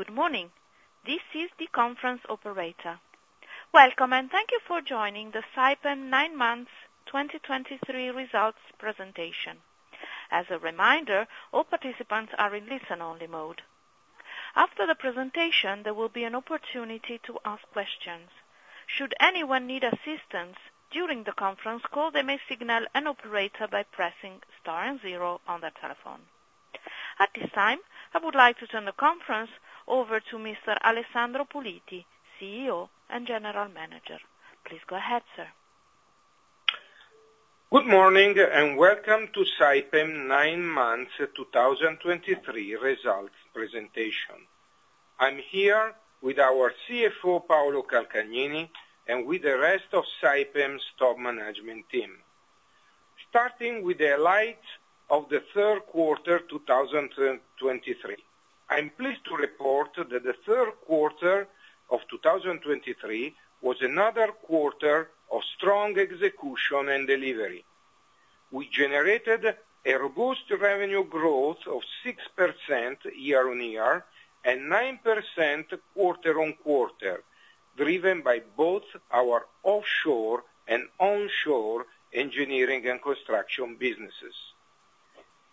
Good morning. This is the conference operator. Welcome, and thank you for joining the September 2023 Results Presentation. As a reminder, all participants are in listen-only mode. After the presentation, there will be an opportunity to ask questions. Should anyone need assistance during the conference call, they may signal an operator by pressing star and zero on their telephone. At this time, I would like to turn the conference over to Mr. Alessandro Puliti, CEO and General Manager. Please go ahead, sir. Good morning, and welcome to September 2023 results presentation. I'm here with our CFO, Paolo Calcagnini, and with the rest of Saipem's top management team. Starting with the highlights of the third quarter, 2023, I'm pleased to report that the third quarter of 2023 was another quarter of strong execution and delivery. We generated a robust revenue growth of 6% year-on-year, and 9% quarter-on-quarter, driven by both our offshore and onshore engineering and construction businesses.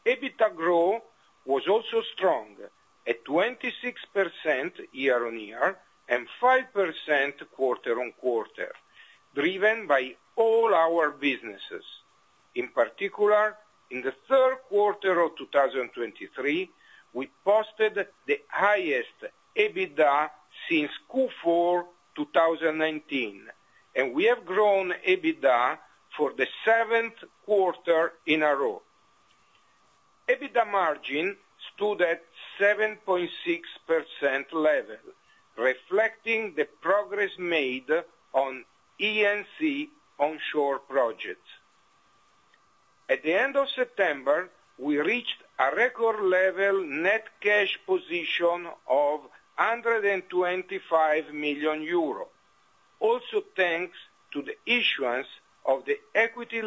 EBITDA growth was also strong, at 26% year-on-year and 5% quarter-on-quarter, driven by all our businesses. In particular, in the third quarter of 2023, we posted the highest EBITDA since Q4 2019, and we have grown EBITDA for the seventh quarter in a row. EBITDA margin stood at 7.6% level, reflecting the progress made on E&C onshore projects. At the end of September, we reached a record level net cash position of 125 million euro, also thanks to the issuance of the equity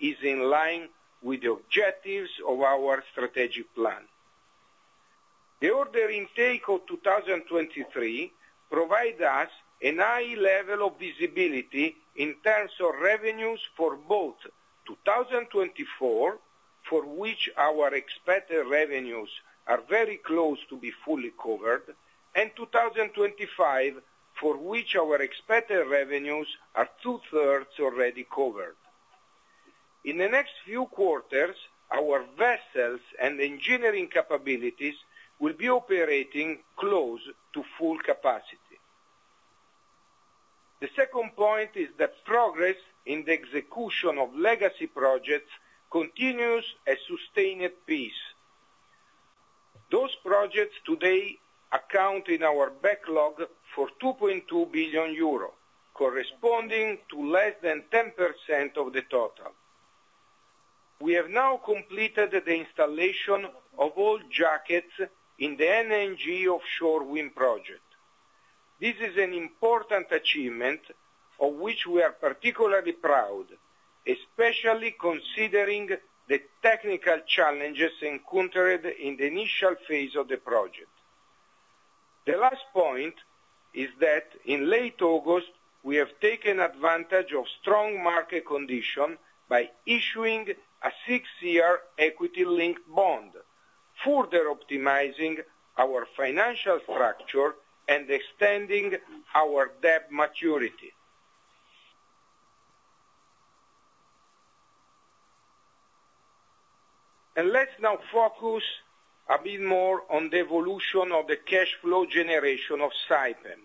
is in line with the objectives of our strategic plan. The order intake of 2023 provide us a high level of visibility in terms of revenues for both 2024, for which our expected revenues are very close to be fully covered, and 2025, for which our expected revenues are two-thirds already covered. In the next few quarters, our vessels and engineering capabilities will be operating close to full capacity. The second point is that progress in the execution of legacy projects continues at sustained pace. Those projects today account in our backlog for 2.2 billion euro, corresponding to less than 10% of the total. We have now completed the installation of all jackets in the NnG offshore wind project. This is an important achievement, of which we are particularly proud, especially considering the technical challenges encountered in the initial phase of the project. The last point is that in late August, we have taken advantage of strong market condition by issuing a six-year equity-linked bond, further optimizing our financial structure and extending our debt maturity. Let's now focus a bit more on the evolution of the cash flow generation of Saipem.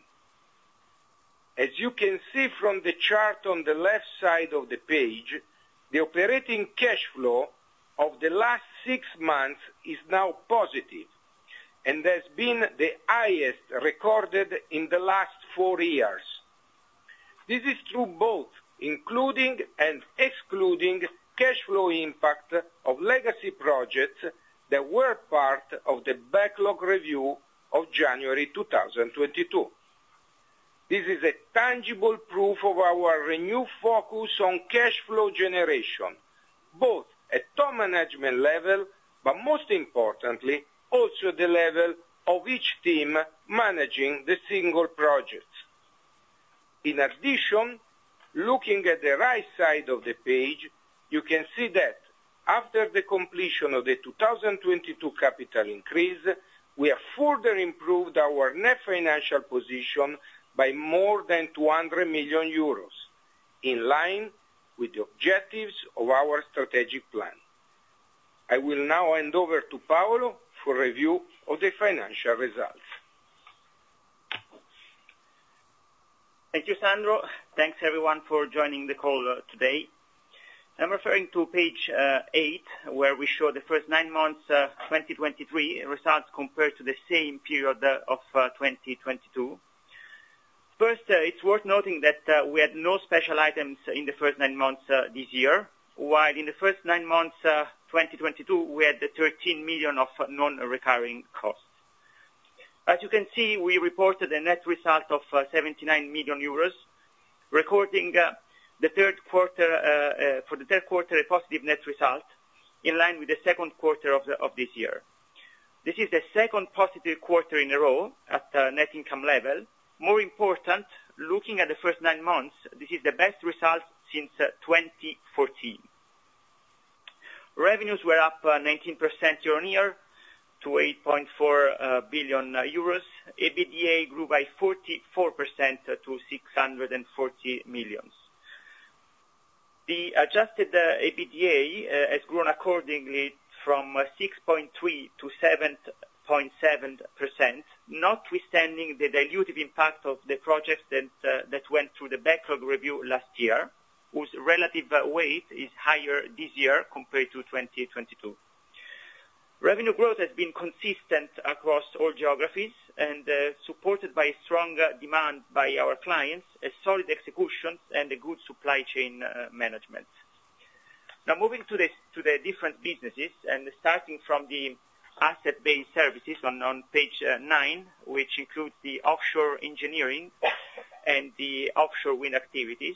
As you can see from the chart on the left side of the page, the operating cash flow of the last six months is now positive and has been the highest recorded in the last four years. This is through both including and excluding cash flow impact of legacy projects that were part of the backlog review of January 2022. This is a tangible proof of our renewed focus on cash flow generation, both at top management level, but most importantly, also the level of each team managing the single projects. In addition, looking at the right side of the page, you can see that after the completion of the 2022 capital increase, we have further improved our net financial position by more than 200 million euros, in line with the objectives of our strategic plan. I will now hand over to Paolo for review of the financial results. Thank you, Sandro. Thanks, everyone, for joining the call today. I'm referring to page eight, where we show the first nine months 2023 results compared to the same period of 2022. First, it's worth noting that we had no special items in the first nine months this year, while in the first nine months 2022, we had the 13 million of non-recurring costs. As you can see, we reported a net result of 79 million euros, recording the third quarter for the third quarter, a positive net result, in line with the second quarter of the of this year. This is the second positive quarter in a row at net income level. More important, looking at the first nine months, this is the best result since 2014. Revenues were up 19% year-on-year to 8.4 billion euros. EBITDA grew by 44% to 640 million. The adjusted EBITDA has grown accordingly from 6.3% to 7.7%, notwithstanding the dilutive impact of the projects that went through the backlog review last year, whose relative weight is higher this year compared to 2022. Revenue growth has been consistent across all geographies, and supported by strong demand by our clients, a solid execution, and a good supply chain management. Now moving to the different businesses, and starting from the asset-based services on page nine, which include the offshore engineering and the offshore wind activities.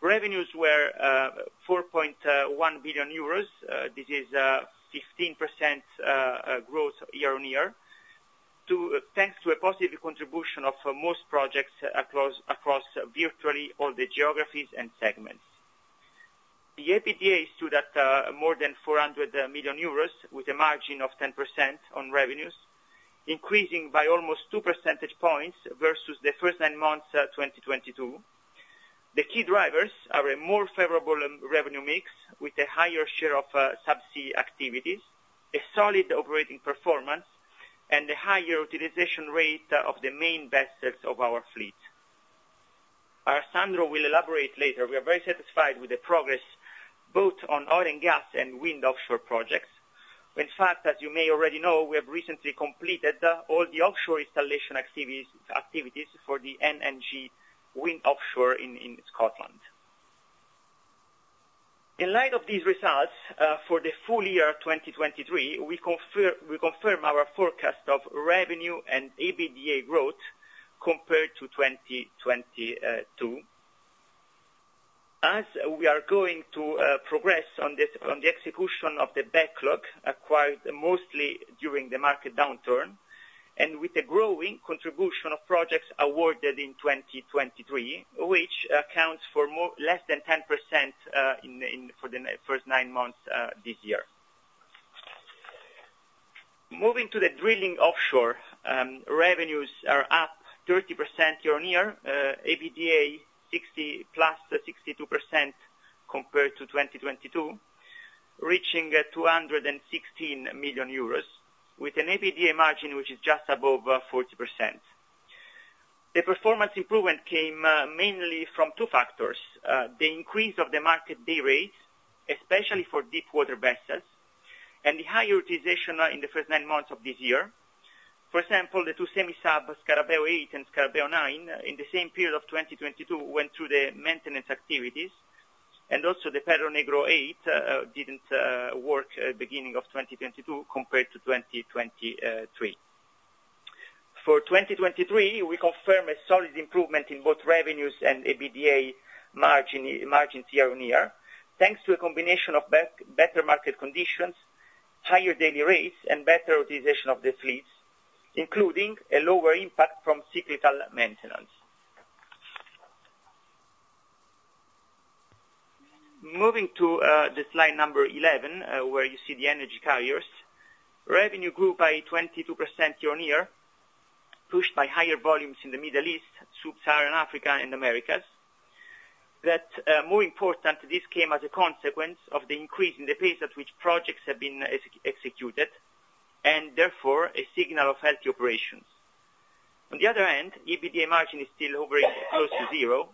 Revenues were 4.1 billion euros. This is 15% growth year-on-year, thanks to a positive contribution of most projects across virtually all the geographies and segments. The EBITDA stood at more than 400 million euros, with a margin of 10% on revenues, increasing by almost two percentage points versus the first nine months of 2022. The key drivers are a more favorable revenue mix with a higher share of subsea activities, a solid operating performance, and a higher utilization rate of the main vessels of our fleet. Alessandro will elaborate later. We are very satisfied with the progress, both on oil and gas and wind offshore projects. In fact, as you may already know, we have recently completed all the offshore installation activities for the NNG wind offshore in Scotland. In light of these results, for the full year 2023, we confirm our forecast of revenue and EBITDA growth compared to 2022. As we are going to progress on this, on the execution of the backlog, acquired mostly during the market downturn, and with the growing contribution of projects awarded in 2023, which accounts for less than 10% in the first nine months this year. Moving to the drilling offshore, revenues are up 30% year-on-year, EBITDA 62% compared to 2022, reaching 216 million euros, with an EBITDA margin, which is just above 40%. The performance improvement came mainly from two factors: the increase of the market day rates, especially for deepwater vessels, and the high utilization in the first nine months of this year. For example, the two semi-sub, Scarabeo 8 and Scarabeo 9, in the same period of 2022, went through the maintenance activities, and also the Perro Negro 8 didn't work at beginning of 2022 compared to 2023. For 2023, we confirm a solid improvement in both revenues and EBITDA margin year-on-year, thanks to a combination of better market conditions, higher daily rates, and better utilization of the fleets, including a lower impact from cyclical maintenance. Moving to the slide number 11, where you see the Energy Carriers. Revenue grew by 22% year-on-year, pushed by higher volumes in the Middle East, Sub-Saharan Africa, and Americas. That, more important, this came as a consequence of the increase in the pace at which projects have been executed, and therefore, a signal of healthy operations. On the other hand, EBITDA margin is still hovering close to zero,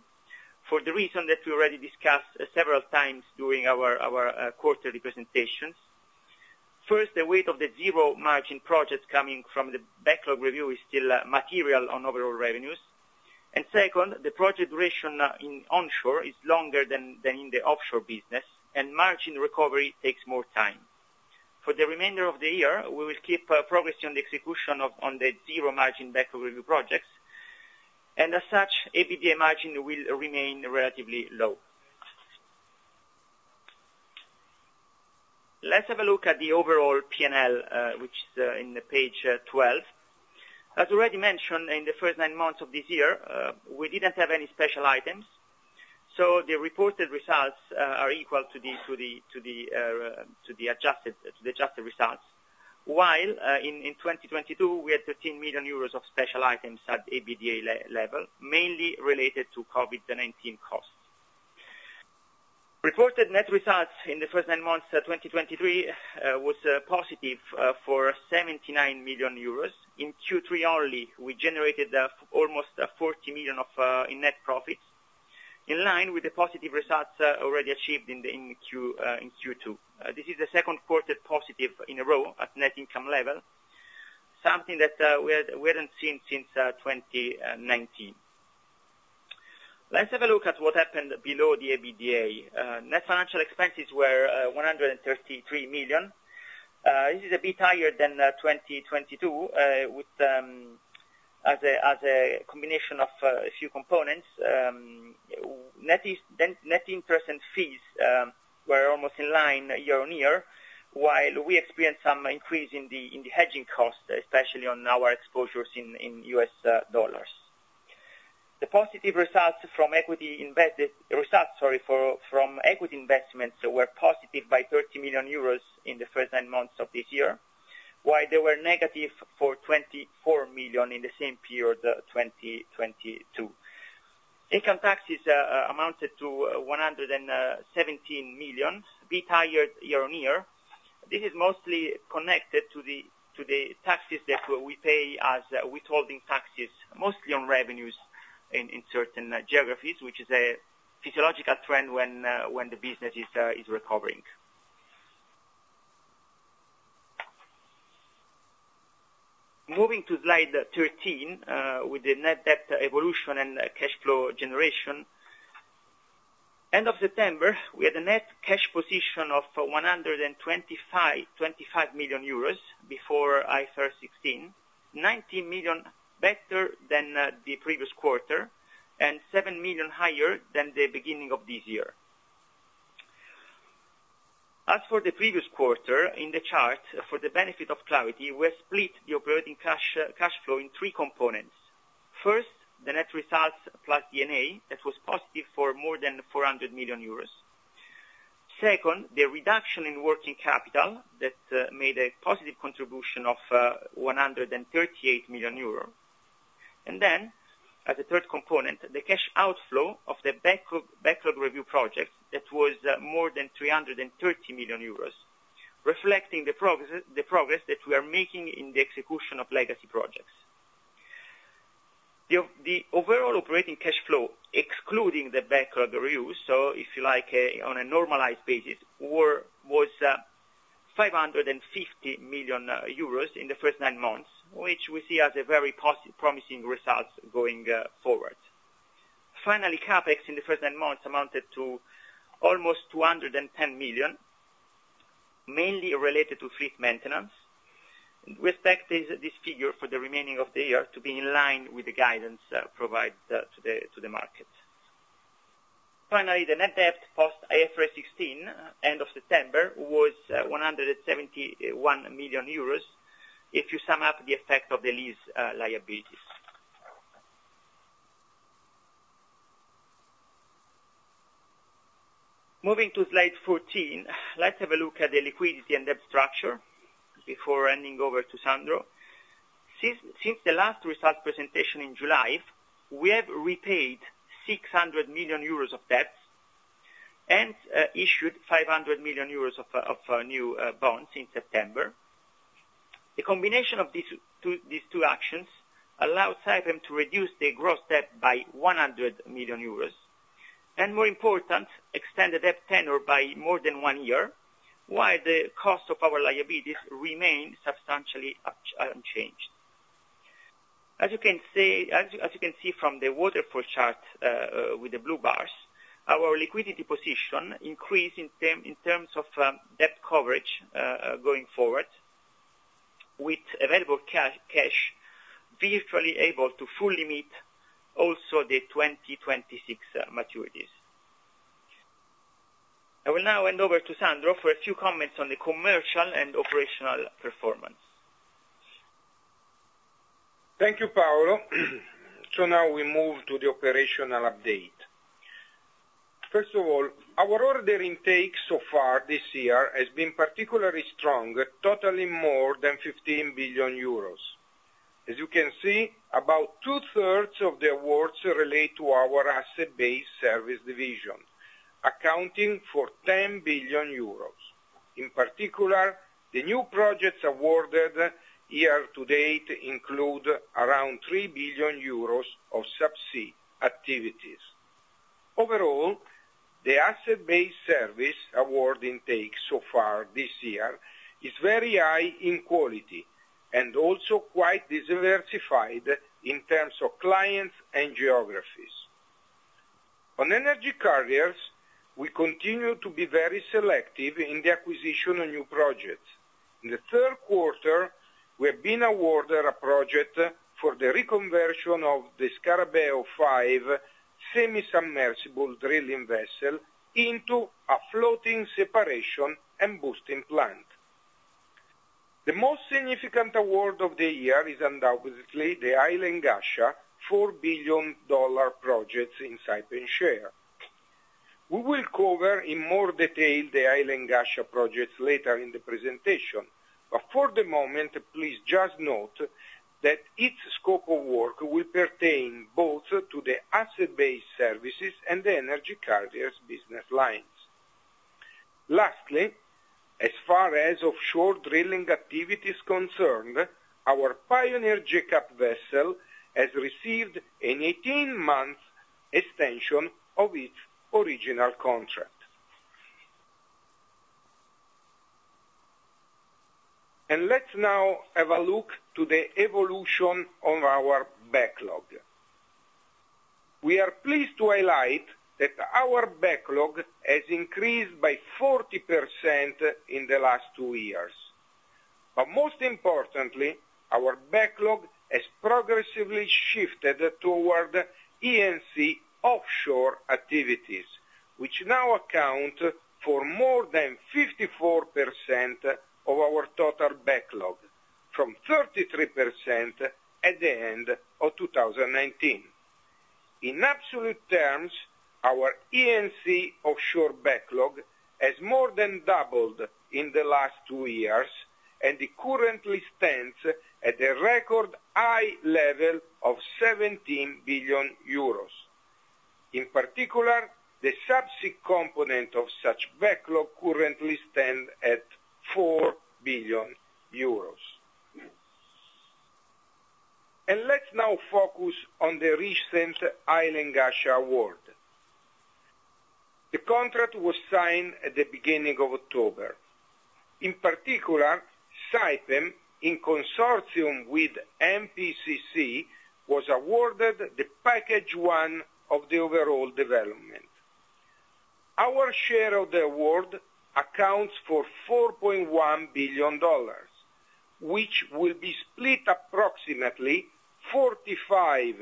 for the reason that we already discussed several times during our quarterly presentations. First, the weight of the zero margin projects coming from the backlog review is still material on overall revenues. And second, the project duration in onshore is longer than in the offshore business, and margin recovery takes more time. For the remainder of the year, we will keep progressing on the execution of the zero margin backlog review projects, and as such, EBITDA margin will remain relatively low. Let's have a look at the overall P&L, which is in the page 12. As already mentioned, in the first nine months of this year, we didn't have any special items, so the reported results are equal to the adjusted results. While in 2022, we had 13 million euros of special items at EBITDA level, mainly related to COVID-19 costs. Reported net results in the first nine months of 2023 was positive for 79 million euros. In Q3 only, we generated almost 40 million in net profits in line with the positive results already achieved in Q2. This is the second quarter positive in a row at net income level, something that we hadn't seen since 2019. Let's have a look at what happened below the EBITDA. Net financial expenses were 133 million. This is a bit higher than 2022, with a combination of a few components. Net interest and fees were almost in line year-on-year, while we experienced some increase in the hedging costs, especially on our exposures in U.S. dollars. The positive results from equity investments were positive by 30 million euros in the first nine months of this year, while they were negative for 24 million in the same period, 2022. Income taxes amounted to 117 million, bit higher year-on-year. This is mostly connected to the, to the taxes that we pay as withholding taxes, mostly on revenues in, in certain geographies, which is a physiological trend when, when the business is, is recovering. Moving to slide 13, with the net debt evolution and cash flow generation. End of September, we had a net cash position of 125.25 million euros before IFRS 16, 19 million better than the previous quarter, and 7 million higher than the beginning of this year. As for the previous quarter, in the chart, for the benefit of clarity, we have split the operating cash cash flow in three components. First, the net results plus D&A, that was positive for more than 400 million euros. Second, the reduction in working capital, that made a positive contribution of 138 million euro. And then, as a third component, the cash outflow of the backlog, backlog review project, that was more than 330 million euros, reflecting the progress that we are making in the execution of legacy projects. The overall operating cash flow, excluding the backlog reviews, so if you like, on a normalized basis, was 550 million euros in the first nine months, which we see as a very promising result going forward. Finally, CapEx in the first nine months amounted to almost 210 million, mainly related to fleet maintenance. We expect this figure for the remaining of the year to be in line with the guidance provided to the market. Finally, the net debt post IFRS 16, end of September, was 171 million euros, if you sum up the effect of the lease liabilities. Moving to slide 14, let's have a look at the liquidity and debt structure before handing over to Sandro. Since the last result presentation in July, we have repaid 600 million euros of debt and issued 500 million euros of new bonds in September. The combination of these two actions allowed Saipem to reduce the gross debt by 100 million euros, and more important, extend the debt tenure by more than one year, while the cost of our liabilities remained substantially unchanged. As you can see from the waterfall chart, with the blue bars, our liquidity position increased in terms of debt coverage going forward, with available cash being fully able to fully meet also the 2026 maturities. I will now hand over to Sandro for a few comments on the commercial and operational performance. Thank you, Paolo. Now we move to the operational update. First of all, our order intake so far this year has been particularly strong, totaling more than 15 billion euros. As you can see, about two-thirds of the awards relate to our Asset Based Services division, accounting for 10 billion euros. In particular, the new projects awarded year to date include around 3 billion euros of subsea activities. Overall, the Asset Based Services award intake so far this year is very high in quality and also quite diversified in terms of clients and geographies. On Energy Carriers, we continue to be very selective in the acquisition of new projects. In the third quarter, we have been awarded a project for the reconversion of the Scarabeo 5 semi-submersible drilling vessel into a floating separation and boosting plant. The most significant award of the year is undoubtedly the Hail and Ghasha $4 billion projects in Saipem share. We will cover in more detail the Hail and Ghasha projects later in the presentation, but for the moment, please just note that its scope of work will pertain both to the Asset Based Services and the Energy Carriers business lines. Lastly, as far as offshore drilling activity is concerned, our Pioneer jackup vessel has received an 18-month extension of its original contract. Let's now have a look to the evolution of our backlog. We are pleased to highlight that our backlog has increased by 40% in the last two years. Most importantly, our backlog has progressively shifted toward E&C offshore activities, which now account for more than 54% of our total backlog, from 33% at the end of 2019. In absolute terms, our E&C offshore backlog has more than doubled in the last two years, and it currently stands at a record high level of 17 billion euros. In particular, the subsea component of such backlog currently stands at EUR 4 billion. And let's now focus on the recent Hail and Ghasha award. The contract was signed at the beginning of October. In particular, Saipem, in consortium with NPCC, was awarded the package 1 of the overall development. Our share of the award accounts for $4.1 billion, which will be split approximately 45%-55%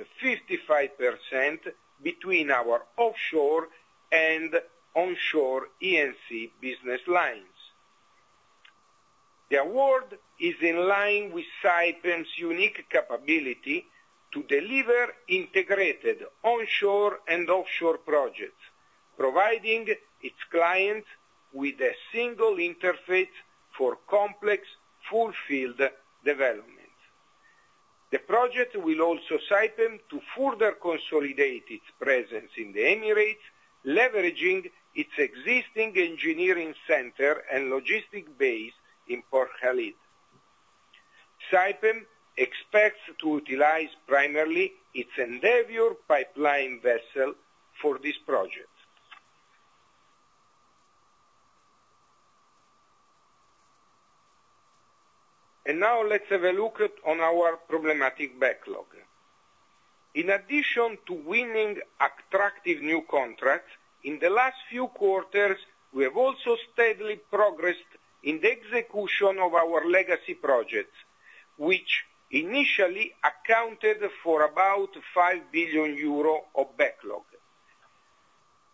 between our offshore and onshore E&C business lines. The award is in line with Saipem's unique capability to deliver integrated onshore and offshore projects, providing its client with a single interface for complex, full field development. The project will also allow Saipem to further consolidate its presence in the Emirates, leveraging its existing engineering center and logistic base in Port Khalid. Saipem expects to utilize primarily its Endeavour pipeline vessel for this project. Now let's have a look at our problematic backlog. In addition to winning attractive new contracts, in the last few quarters, we have also steadily progressed in the execution of our legacy projects, which initially accounted for about 5 billion euro of backlog.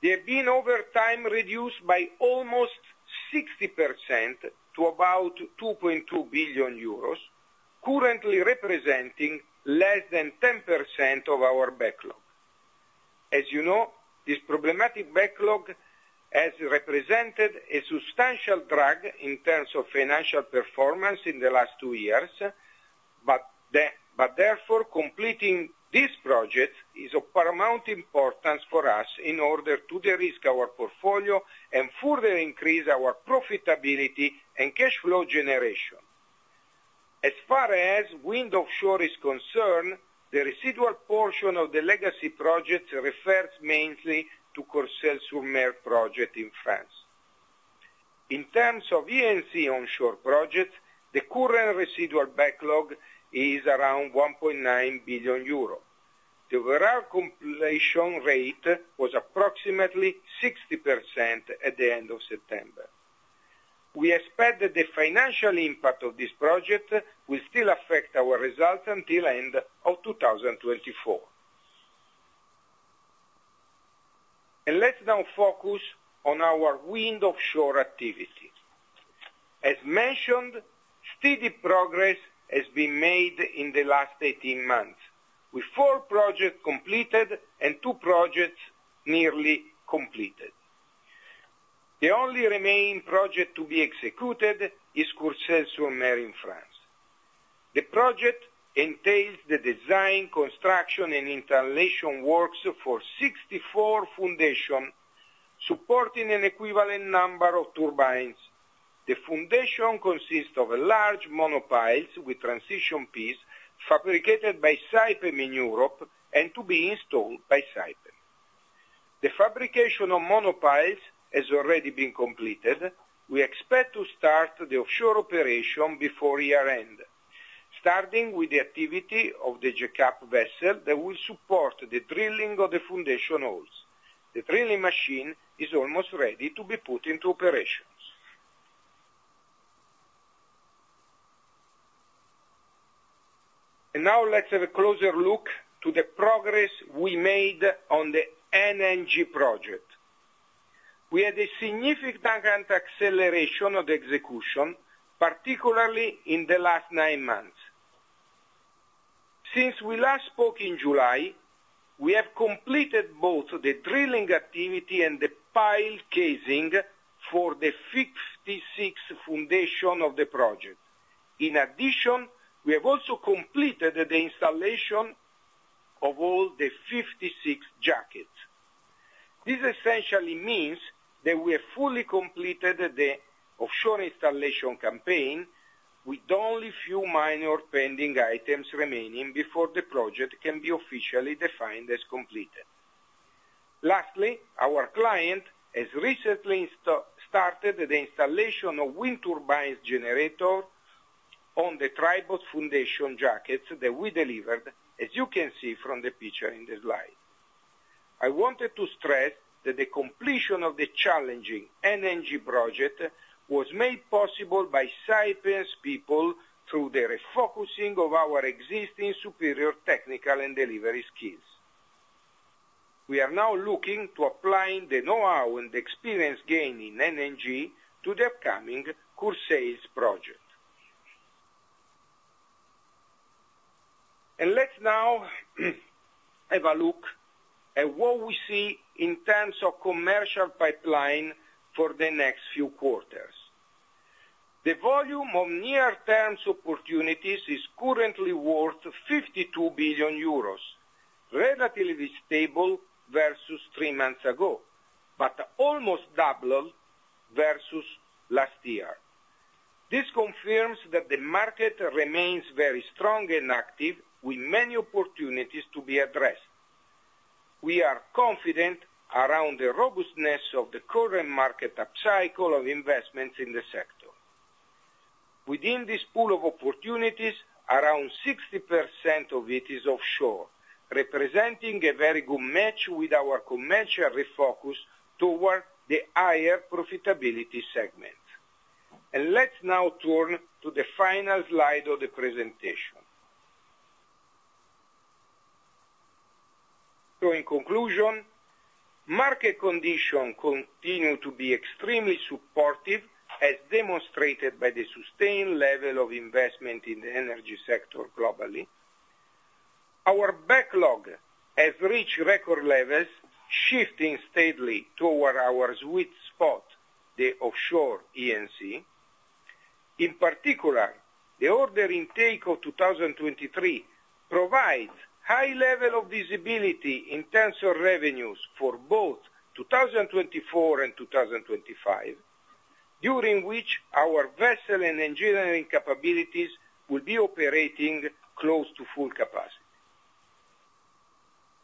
They have been over time reduced by almost 60% to about 2.2 billion euros, currently representing less than 10% of our backlog. As you know, this problematic backlog has represented a substantial drag in terms of financial performance in the last two years, but therefore, completing this project is of paramount importance for us in order to de-risk our portfolio and further increase our profitability and cash flow generation. As far as wind offshore is concerned, the residual portion of the legacy project refers mainly to Courseulles-sur-Mer project in France. In terms of E&C onshore project, the current residual backlog is around 1.9 billion euro. The overall completion rate was approximately 60% at the end of September. We expect that the financial impact of this project will still affect our results until end of 2024. Let's now focus on our wind offshore activity. As mentioned, steady progress has been made in the last 18 months, with four projects completed and two projects nearly completed. The only remaining project to be executed is Courseulles-sur-Mer in France. The project entails the design, construction, and installation works for 64 foundations, supporting an equivalent number of turbines. The foundations consist of large monopiles with transition pieces fabricated by Saipem in Europe and to be installed by Saipem. The fabrication of monopiles has already been completed. We expect to start the offshore operation before year-end, starting with the activity of the jackup vessel that will support the drilling of the foundation holes. The drilling machine is almost ready to be put into operations. And now let's have a closer look to the progress we made on the NnG project. We had a significant acceleration of the execution, particularly in the last nine months. Since we last spoke in July, we have completed both the drilling activity and the pile casing for the 56 foundations of the project. In addition, we have also completed the installation of all the 56 jackets. This essentially means that we have fully completed the offshore installation campaign, with only few minor pending items remaining before the project can be officially defined as completed. Lastly, our client has recently started the installation of wind turbine generators on the tripod foundation jackets that we delivered, as you can see from the picture in the slide. I wanted to stress that the completion of the challenging NnG project was made possible by Saipem's people through the refocusing of our existing superior technical and delivery skills. We are now looking to applying the know-how and experience gained in NnG to the upcoming Calvados project. Let's now have a look at what we see in terms of commercial pipeline for the next few quarters. The volume of near term opportunities is currently worth 52 billion euros, relatively stable versus three months ago, but almost double versus last year. This confirms that the market remains very strong and active, with many opportunities to be addressed. We are confident around the robustness of the current market upcycle of investments in the sector. Within this pool of opportunities, around 60% of it is offshore, representing a very good match with our commercial refocus toward the higher profitability segment. Let's now turn to the final slide of the presentation. So in conclusion, market conditions continue to be extremely supportive, as demonstrated by the sustained level of investment in the energy sector globally. Our backlog has reached record levels, shifting steadily toward our sweet spot, the offshore E&C. In particular, the order intake of 2023 provides high level of visibility in terms of revenues for both 2024 and 2025, during which our vessel and engineering capabilities will be operating close to full capacity.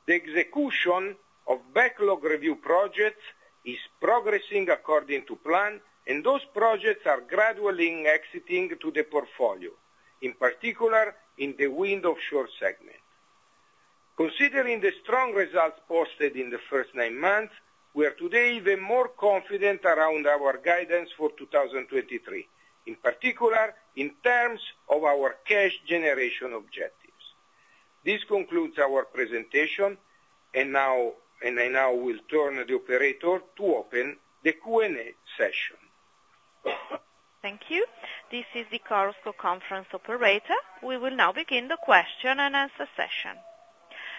The execution of backlog review projects is progressing according to plan, and those projects are gradually exiting to the portfolio, in particular, in the wind offshore segment. Considering the strong results posted in the first nine months, we are today even more confident around our guidance for 2023, in particular, in terms of our cash generation objectives. This concludes our presentation, and now, and I now will turn the operator to open the Q&A session. Thank you. This is the Chorus Call conference operator. We will now begin the question-and-answer session.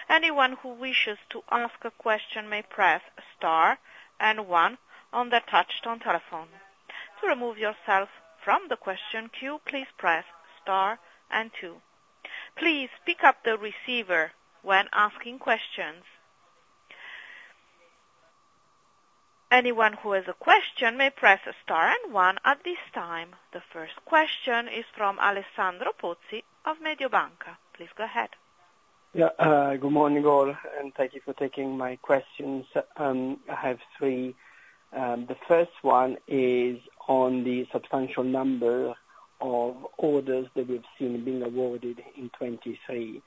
Anyone who wishes to ask a question may press star and one on their touchtone telephone. To remove yourself from the question queue, please press star and two. Please pick up the receiver when asking questions. Anyone who has a question may press star and one at this time. The first question is from Alessandro Pozzi of Mediobanca. Please go ahead. Yeah, good morning, all, and thank you for taking my questions. I have three. The first one is on the substantial number of orders that we've seen being awarded in 2023,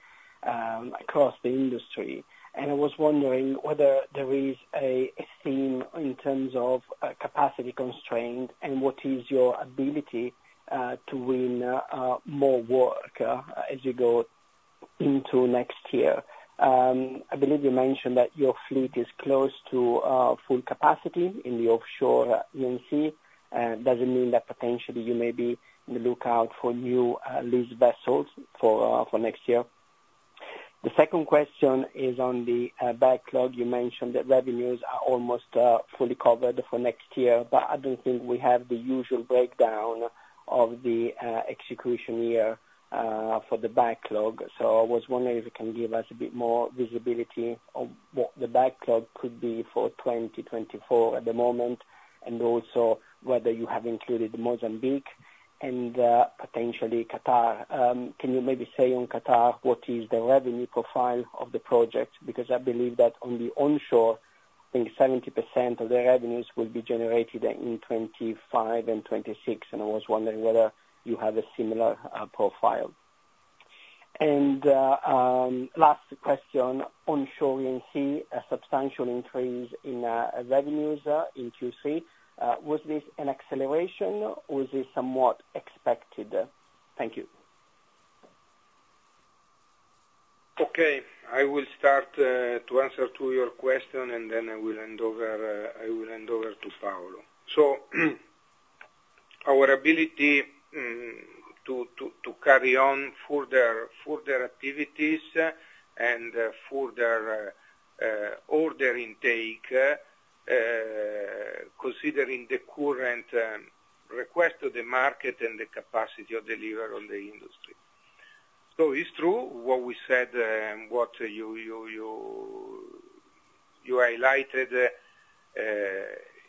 across the industry, and I was wondering whether there is a theme in terms of capacity constraint, and what is your ability to win more work as you go into next year? I believe you mentioned that your fleet is close to full capacity in the offshore E&C. Does it mean that potentially you may be on the lookout for new lease vessels for next year? The second question is on the backlog. You mentioned that revenues are almost fully covered for next year, but I don't think we have the usual breakdown of the execution year for the backlog. So I was wondering if you can give us a bit more visibility on what the backlog could be for 2024 at the moment, and also whether you have included Mozambique and potentially Qatar. Can you maybe say on Qatar, what is the revenue profile of the project? Because I believe that on the onshore, I think 70% of the revenues will be generated in 2025 and 2026, and I was wondering whether you have a similar profile. And last question on showing here a substantial increase in revenues in Q3, was this an acceleration or is this somewhat expected? Thank you. Okay, I will start to answer to your question, and then I will hand over to Paolo. So, our ability to carry on further activities and further order intake considering the current request of the market and the capacity to deliver in the industry. So it's true what we said, what you highlighted,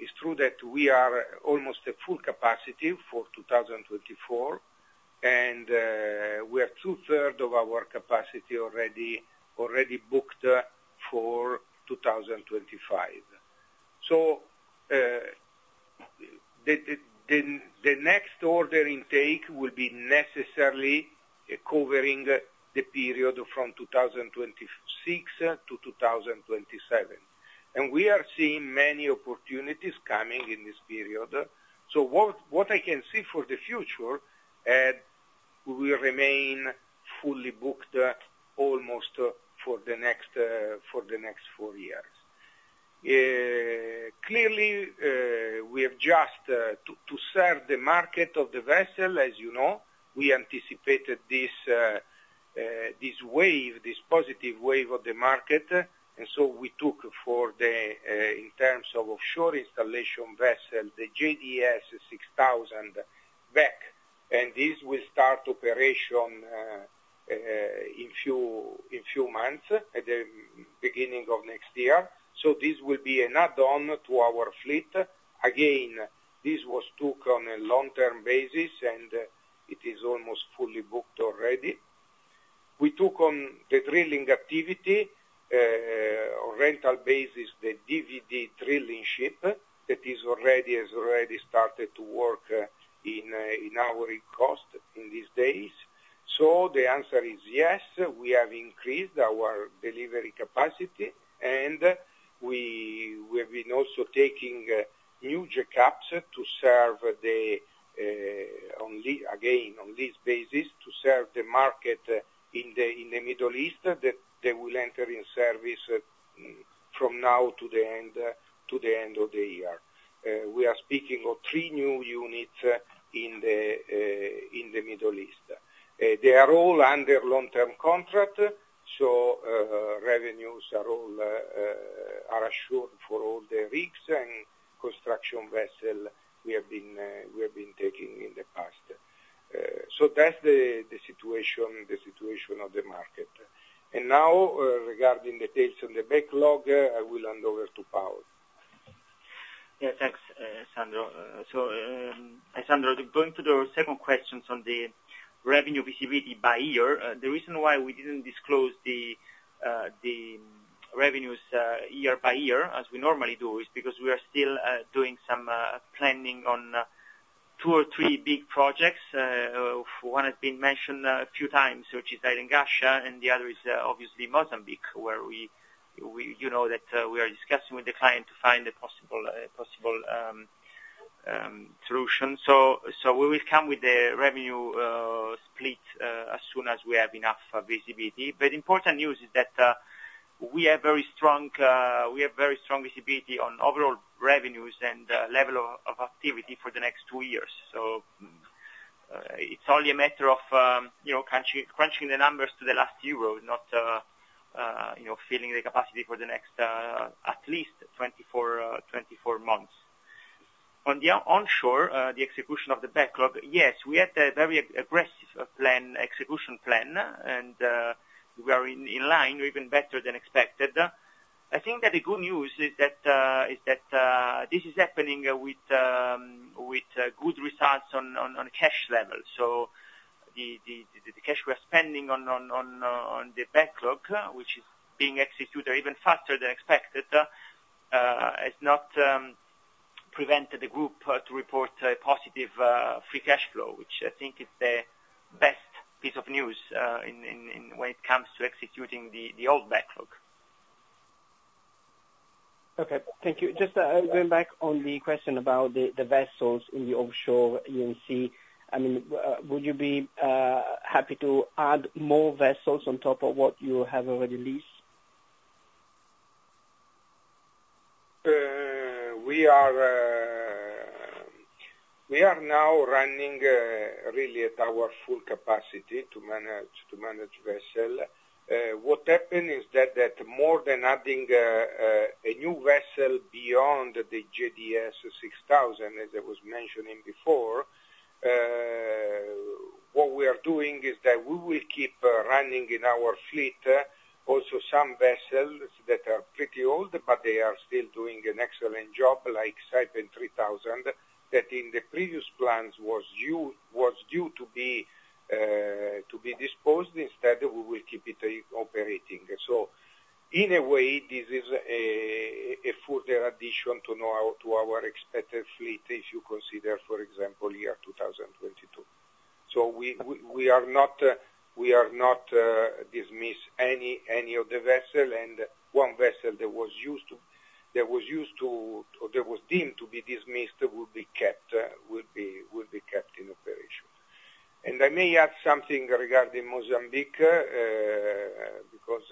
it's true that we are almost at full capacity for 2024, and we are two-thirds of our capacity already booked for 2025. So, the next order intake will be necessarily covering the period from 2026 to 2027. And we are seeing many opportunities coming in this period. So what, what I can see for the future, we will remain fully booked almost for the next, for the next 4 years. Clearly, we have just, to, to serve the market of the vessel, as you know, we anticipated this, this wave, this positive wave of the market, and so we took for the, in terms of offshore installation vessel, the JDS 6000 back, and this will start operation, in few, in few months, at the beginning of next year. So this will be an add-on to our fleet. Again, this was took on a long-term basis, and it is almost fully booked already. We took on the drilling activity, on rental basis, the DVD drilling ship, that is already, has already started to work, in, in our cost in these days. So the answer is yes, we have increased our delivery capacity, and we, we've been also taking new jackups to serve the on lease again, on this basis, to serve the market in the Middle East, that they will enter in service from now to the end, to the end of the year. We are speaking of three new units in the Middle East. They are all under long-term contract, so revenues are all are assured for all the rigs and construction vessel we have been, we have been taking in the past. So that's the situation, the situation of the market. And now, regarding the details on the backlog, I will hand over to Paolo. Yeah, thanks, Sandro. So, Sandro, going to the second question on the revenue visibility by year, the reason why we didn't disclose the revenues year by year, as we normally do, is because we are still doing some planning on two or three big projects. One has been mentioned a few times, which is Hail and Ghasha and the other is obviously Mozambique, where we you know that we are discussing with the client to find a possible solution. So we will come with the revenue split as soon as we have enough visibility. But important news is that we have very strong visibility on overall revenues and level of activity for the next two years. So, it's only a matter of, you know, crunching, crunching the numbers to the last euro, not, you know, filling the capacity for the next, at least 24, 24 months. On the onshore, the execution of the backlog, yes, we had a very aggressive plan, execution plan, and we are in, in line, or even better than expected. I think that the good news is that, is that, this is happening with, with good results on, on, on cash levels. So the cash we are spending on the backlog, which is being executed even faster than expected, has not prevented the group to report a positive free cash flow, which I think is the best piece of news when it comes to executing the old backlog. Okay, thank you. Just going back on the question about the vessels in the offshore E&C, I mean, would you be happy to add more vessels on top of what you have already leased? We are now running really at our full capacity to manage vessels. What happened is that more than adding a new vessel beyond the JSD 6000, as I was mentioning before, what we are doing is that we will keep running in our fleet also some vessels that are pretty old, but they are still doing an excellent job, like Saipem 3000, that in the previous plans was due to be disposed, instead we will keep it operating. So in a way, this is a further addition to our expected fleet, if you consider, for example, 2022. So we are not dismiss any of the vessel, and one vessel that was used to or that was deemed to be dismissed will be kept in operation. And I may add something regarding Mozambique, because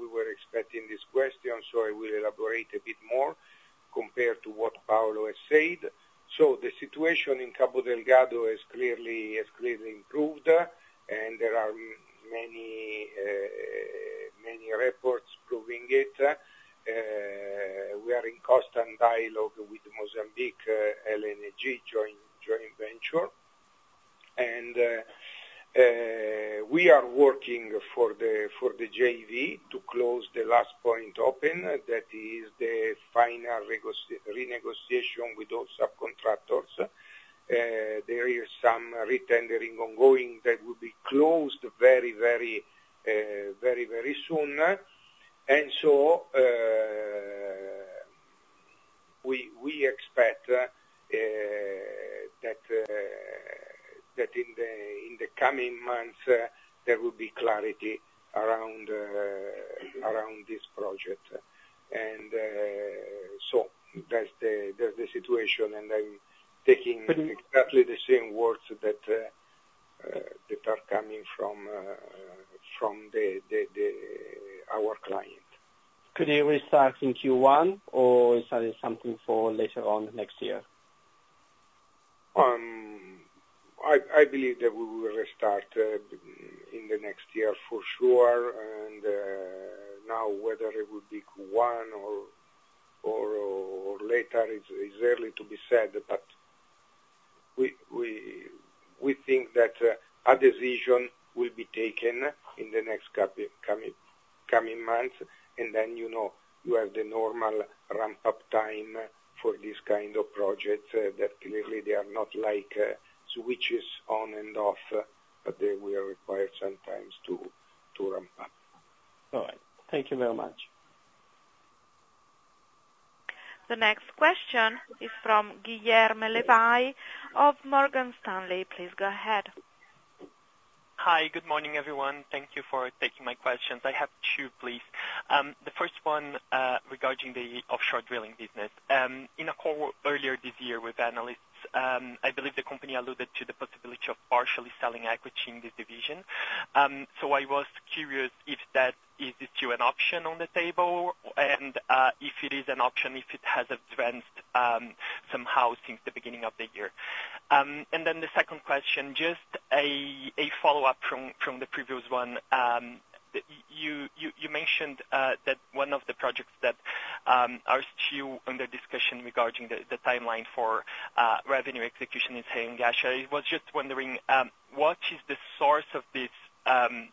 we were expecting this question, so I will elaborate a bit more compared to what Paolo has said. So the situation in Cabo Delgado has clearly improved, and there are many reports proving it. We are in constant dialogue with Mozambique LNG joint venture. And we are working for the JV to close the last point open, that is the final renegotiation with all subcontractors. There is some retendering ongoing that will be closed very soon. We expect that in the coming months there will be clarity around this project. So that's the situation, and I'm taking exactly the same words that are coming from our client. Could you restart in Q1, or is that something for later on next year? I believe that we will restart in the next year for sure, and now whether it will be one or later, it's early to be said, but we think that a decision will be taken in the next couple coming months, and then, you know, you have the normal ramp-up time for this kind of project, that clearly they are not like switches on and off, but they will require some time to ramp up. All right. Thank you very much. The next question is from Guilherme Levy of Morgan Stanley. Please go ahead. Hi, good morning, everyone. Thank you for taking my questions. I have two, please. The first one, regarding the offshore drilling business. In a call earlier this year with analysts, I believe the company alluded to the possibility of partially selling equity in this division. So I was curious if that is still an option on the table, and, if it is an option, if it has advanced somehow since the beginning of the year. And then the second question, just a follow-up from the previous one. You mentioned that one of the projects that are still under discussion regarding the timeline for revenue execution in Hail and Ghasha, I was just wondering what is the source of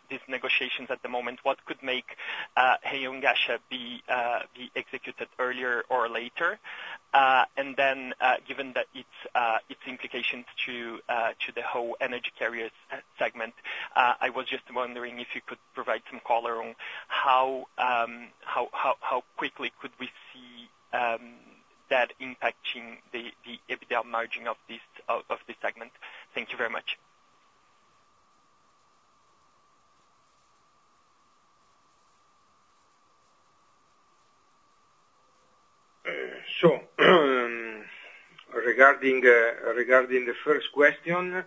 these negotiations at the moment? What could make Hail and Ghasha be executed earlier or later? And then, given that its implications to the whole energy carriers segment, I was just wondering if you could provide some color on how quickly could we see that impacting the EBITDA margin of this segment? Thank you very much. So, regarding the first question,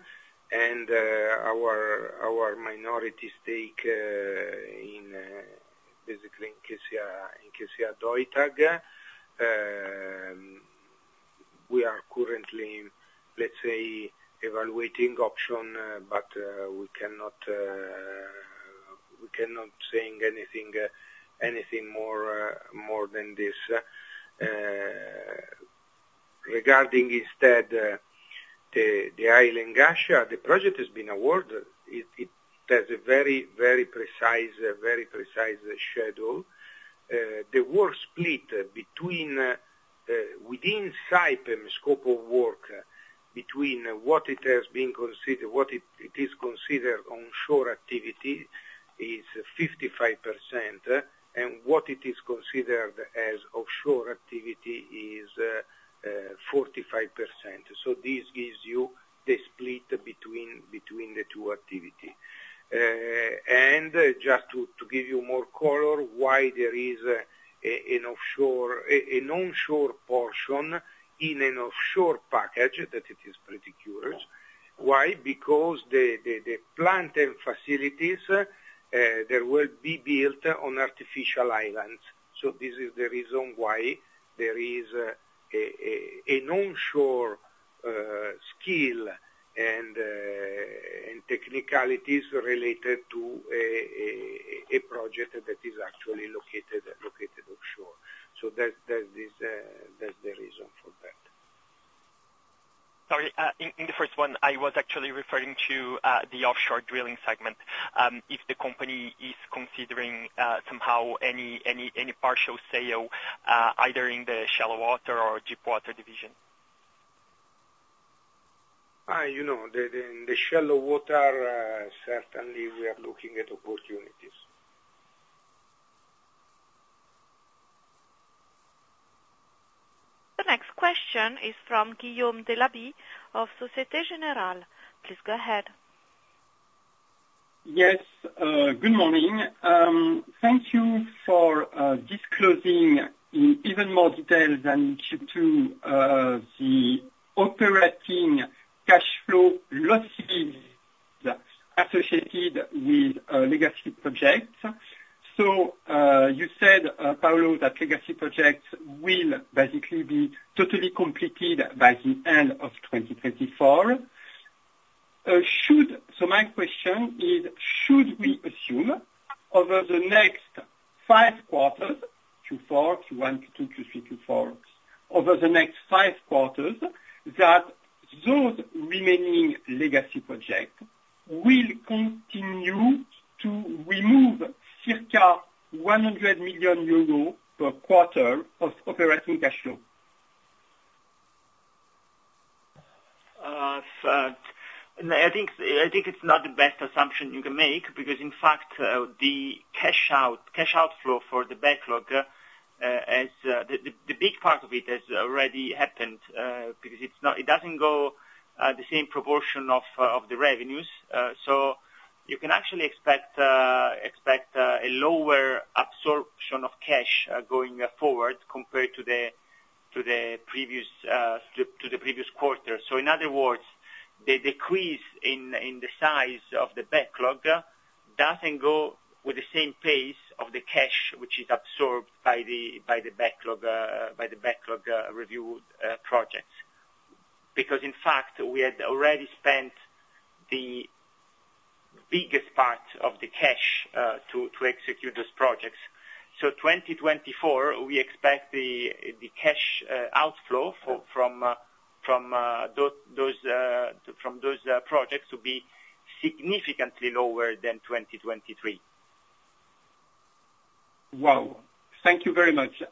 and our minority stake in basically KCA Deutag, we are currently, let's say, evaluating option, but we cannot say anything more than this. Regarding instead the Hail and Ghasha, the project has been awarded. It has a very precise schedule. The work split within Saipem scope of work, between what is considered onshore activity, is 55%, and what is considered as offshore activity is 45%. So this gives you the split between the two activity. And just to give you more color, why there is an offshore, an onshore portion in an offshore package, that it is pretty curious. Why? Because the plant and facilities, they will be built on artificial islands. So this is the reason why there is an onshore skill and technicalities related to a project that is actually located offshore. So that is, that's the reason for that. Sorry, in the first one, I was actually referring to the offshore drilling segment, if the company is considering somehow any partial sale, either in the shallow water or deep water division. You know, the shallow water, certainly we are looking at opportunities. The next question is from Guillaume Delaby of Société Générale. Please go ahead. Yes, good morning. Thank you for disclosing in even more detail than Q2, the operating losses associated with legacy projects. So, you said, Paolo, that legacy projects will basically be totally completed by the end of 2024. So my question is, should we assume over the next five quarters, Q4, Q1, Q2, Q3, Q4, over the next five quarters, that those remaining legacy projects will continue to remove circa 100 million euros per quarter of operating cash flow? So, no, I think it's not the best assumption you can make, because in fact, the cash out, cash outflow for the backlog, as the big part of it has already happened, because it's not. It doesn't go the same proportion of the revenues. So you can actually expect a lower absorption of cash going forward, compared to the previous quarter. So in other words, the decrease in the size of the backlog doesn't go with the same pace of the cash, which is absorbed by the backlog review projects. Because in fact, we had already spent the biggest part of the cash to execute those projects. So 2024, we expect the cash outflow from those projects to be significantly lower than 2023. Wow! Thank you very much.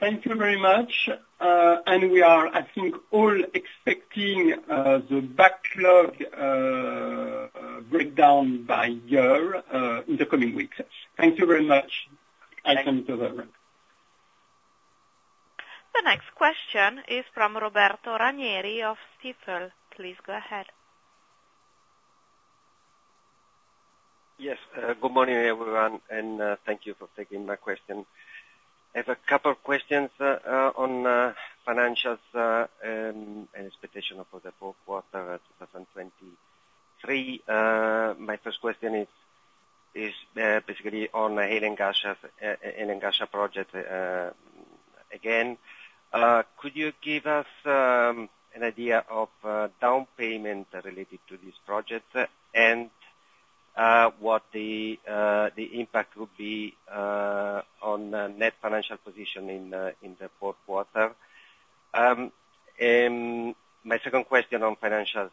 Thank you very much. We are, I think, all expecting the backlog breakdown by year in the coming weeks. Thank you very much. I think over. The next question is from Roberto Ranieri of Stifel. Please go ahead. Yes, good morning, everyone, and thank you for taking my question. I have a couple of questions on financials and expectation for the fourth quarter of 2023. My first question is basically on the Hail and Ghasha project again. Could you give us an idea of down payment related to this project? And what the impact will be on the net financial position in the fourth quarter? My second question on financials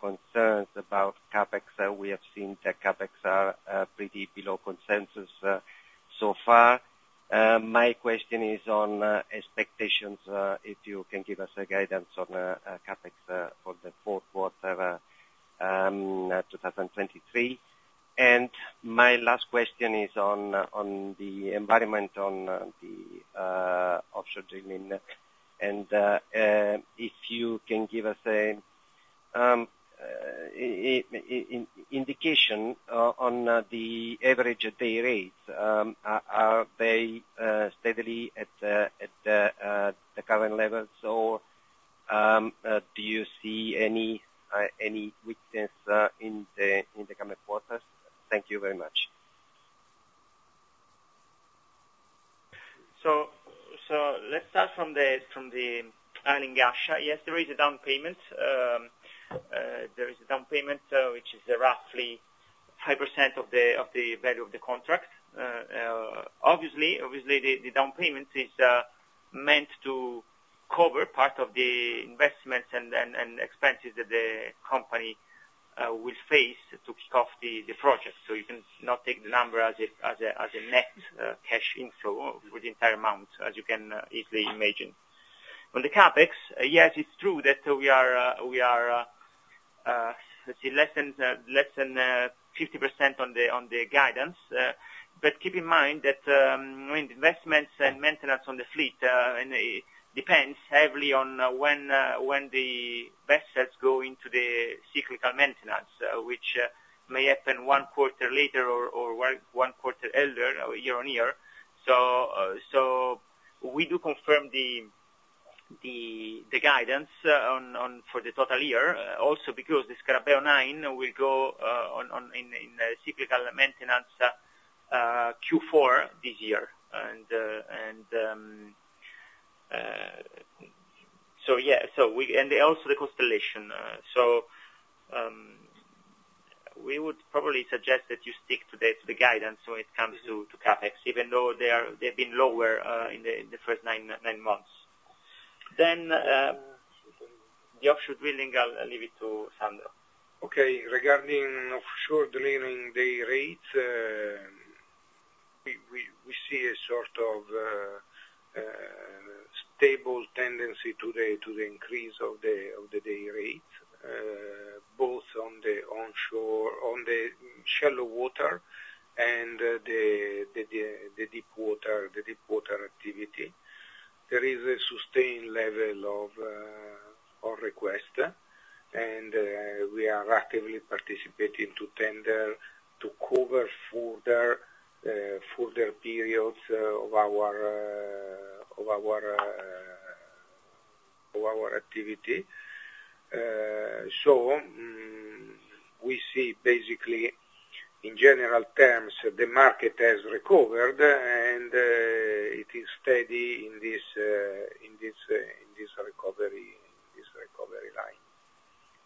concerns about CapEx. We have seen the CapEx are pretty below consensus so far. My question is on expectations if you can give us a guidance on CapEx for the fourth quarter 2023. My last question is on the environment on the offshore drilling, and if you can give us an indication on the average day rates, are they steadily at the current levels, or do you see any weakness in the coming quarters? Thank you very much. Let's start from the Hail and Ghasha. Yes, there is a down payment, which is roughly 5% of the value of the contract. Obviously, the down payment is meant to cover part of the investments and expenses that the company will face to kick off the project. So you cannot take the number as a net cash inflow for the entire amount, as you can easily imagine. On the CapEx, yes, it's true that we are, let's see, less than 50% on the guidance. But keep in mind that when the investments and maintenance on the fleet and it depends heavily on when the best ships go into the cyclical maintenance, which may happen one quarter later or one quarter earlier year-over-year. So we do confirm the guidance for the total year. Also because the Scarabeo 9 will go into cyclical maintenance Q4 this year. And also the Constellation, so we would probably suggest that you stick to the guidance when it comes to CapEx, even though they've been lower in the first nine months. Then the offshore drilling, I'll leave it to Sandro. Okay. Regarding offshore drilling day rates, we see a sort of stable tendency to the increase of the day rates, both on the onshore, on the shallow water, and the deep water activity. There is a sustained level of request, and we are actively participating to tender to cover further periods of our activity. We see basically, in general terms, the market has recovered, and it is steady in this recovery line.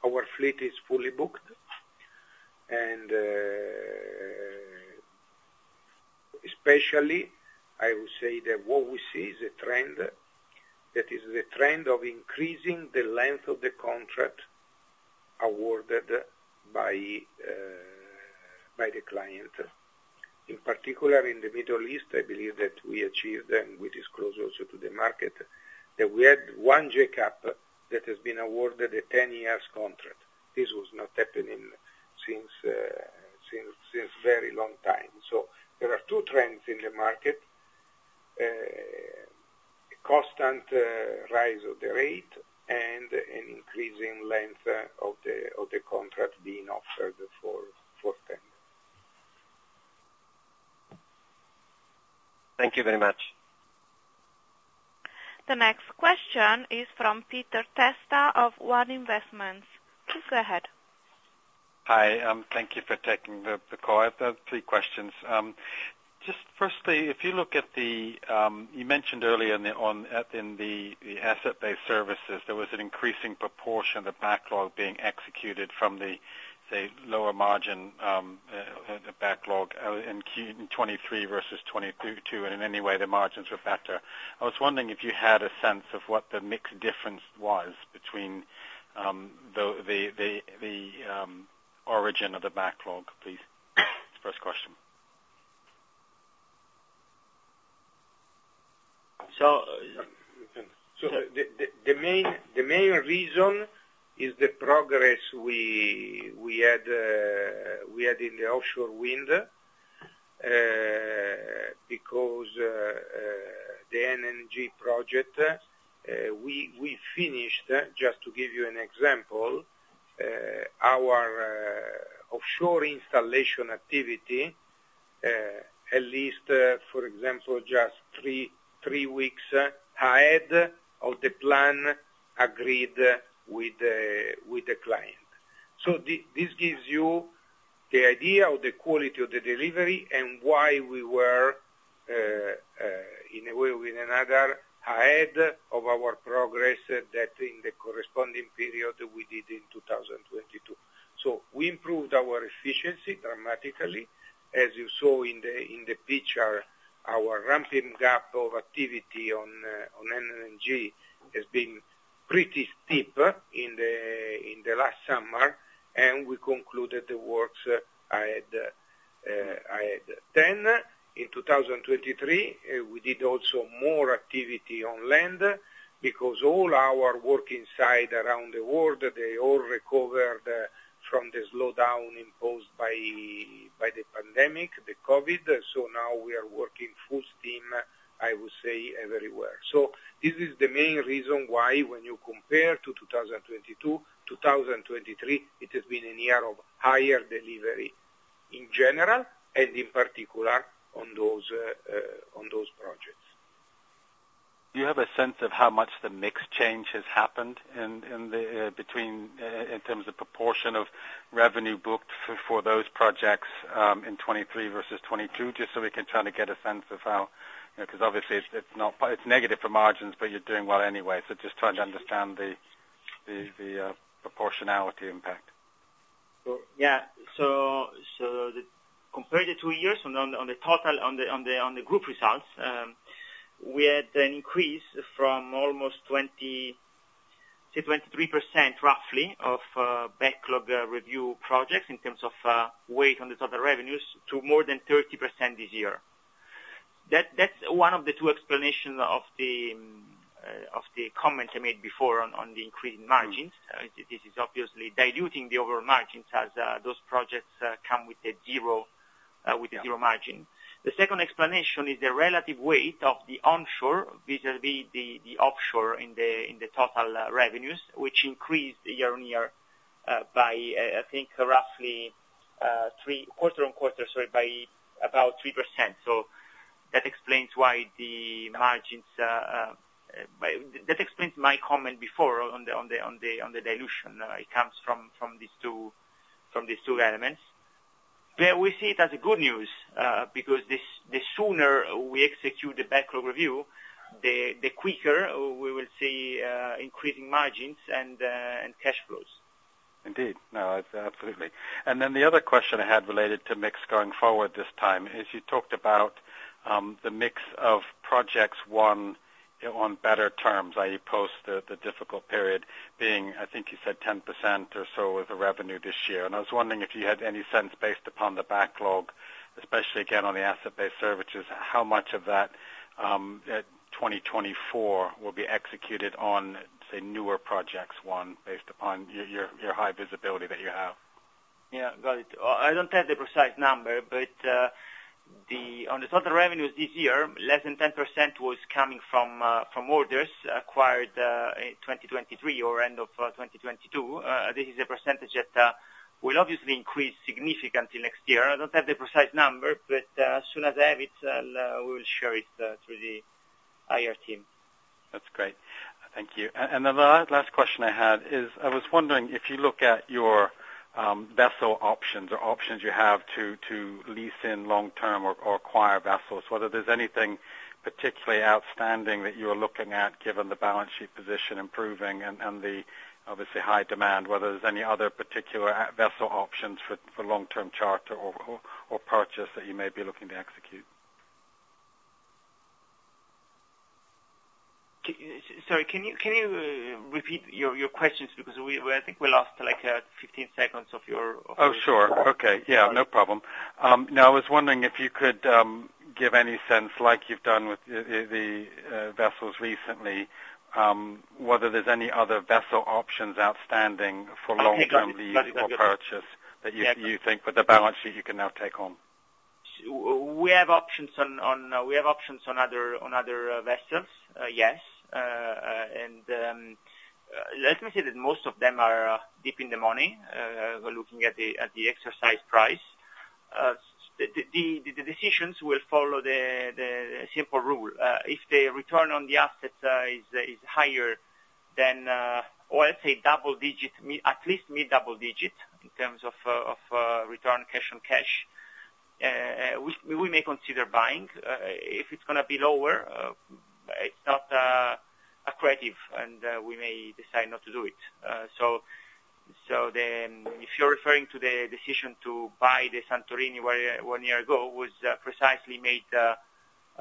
Our fleet is fully booked, and especially, I would say that what we see is a trend, that is the trend of increasing the length of the contract awarded by the client. In particular, in the Middle East, I believe that we achieved, and we disclosed also to the market, that we had 1 jackup that has been awarded a 10 years contract. This was not happening since since very long time. So there are two trends in the market: constant rise of the rate, and an increasing length of the contract being offered for tender. Thank you very much. The next question is from Peter Testa of One Investments. Please go ahead. Hi, thank you for taking the call. I have three questions. Just firstly, if you look at the... You mentioned earlier in the Asset Based Services, there was an increasing proportion of backlog being executed from the, say, lower margin the backlog in Q-23 versus 22, and in any way, the margins were better. I was wondering if you had a sense of what the mix difference was between the origin of the backlog, please? First question. So the main reason is the progress we had in the offshore wind. Because the NnG project, we finished, just to give you an example, our offshore installation activity, at least, for example, just three weeks ahead of the plan agreed with the client. So this gives you the idea of the quality of the delivery, and why we were, in one way or another, ahead of our progress that in the corresponding period we did in 2022. So we improved our efficiency dramatically. As you saw in the picture, our ramping up of activity on NnG has been pretty steep in the last summer, and we concluded the works ahead. Then, in 2023, we did also more activity on land, because all our working sites around the world, they all recovered from the slowdown imposed by the pandemic, the COVID. So now we are working full steam, I would say, everywhere. So this is the main reason why when you compare to 2022, 2023, it has been a year of higher delivery in general, and in particular, on those projects. Do you have a sense of how much the mix change has happened in, in the, between, in terms of proportion of revenue booked for those projects, in 2023 versus 2022? Just so we can try to get a sense of how... You know, 'cause obviously it's not it's negative for margins, but you're doing well anyway. So just trying to understand the proportionality impact. So yeah, compare the two years on the total group results, we had an increase from almost 20%-23%, roughly, of backlog review projects in terms of weight on the total revenues, to more than 30% this year. That's one of the two explanations of the comments I made before on the increasing margins. This is obviously diluting the overall margins, as those projects come with a zero, Yeah With a zero margin. The second explanation is the relative weight of the onshore vis-a-vis the offshore in the total revenues, which increased year-on-year, by, I think roughly, quarter-on-quarter, sorry, by about 3%. So that explains why the margins, That explains my comment before on the dilution. It comes from these two elements. But we see it as a good news, because the sooner we execute the backlog review, the quicker we will see increasing margins and cash flows. Indeed. No, it's absolutely. And then the other question I had related to mix going forward this time, is you talked about, the mix of projects one, on better terms, i.e., post the, the difficult period being, I think you said 10% or so of the revenue this year. And I was wondering if you had any sense, based upon the backlog, especially again, on the asset-based services, how much of that, 2024 will be executed on, say, newer projects one, based upon your, your, your high visibility that you have? Yeah. Got it. I don't have the precise number, but, the, on the total revenues this year, less than 10% was coming from, from orders acquired, in 2023 or end of 2022. This is a percentage that will obviously increase significantly next year. I don't have the precise number, but, as soon as I have it, I'll, we will share it, through the IR team. That's great. Thank you. And then the last question I had is, I was wondering if you look at your vessel options or options you have to lease in long-term or acquire vessels, whether there's anything particularly outstanding that you are looking at, given the balance sheet position improving and the obviously high demand, whether there's any other particular vessel options for long-term charter or purchase that you may be looking to execute? Sorry, can you, can you repeat your, your questions? Because we, I think we lost like 15 seconds of your Oh, sure. Okay. Yeah, no problem. No, I was wondering if you could give any sense, like you've done with the vessels recently, whether there's any other vessel options outstanding for long-term lease or purchase that you think with the balance sheet you can now take on? We have options on other vessels. Yes, and let me say that most of them are deep in the money, looking at the exercise price. The decisions will follow the simple rule. If the return on the asset is higher than, or let's say double digit, at least mid double digit, in terms of return cash on cash, we may consider buying. If it's gonna be lower, it's not accretive, and we may decide not to do it. So then, if you're referring to the decision to buy the Santorini one year ago, was precisely made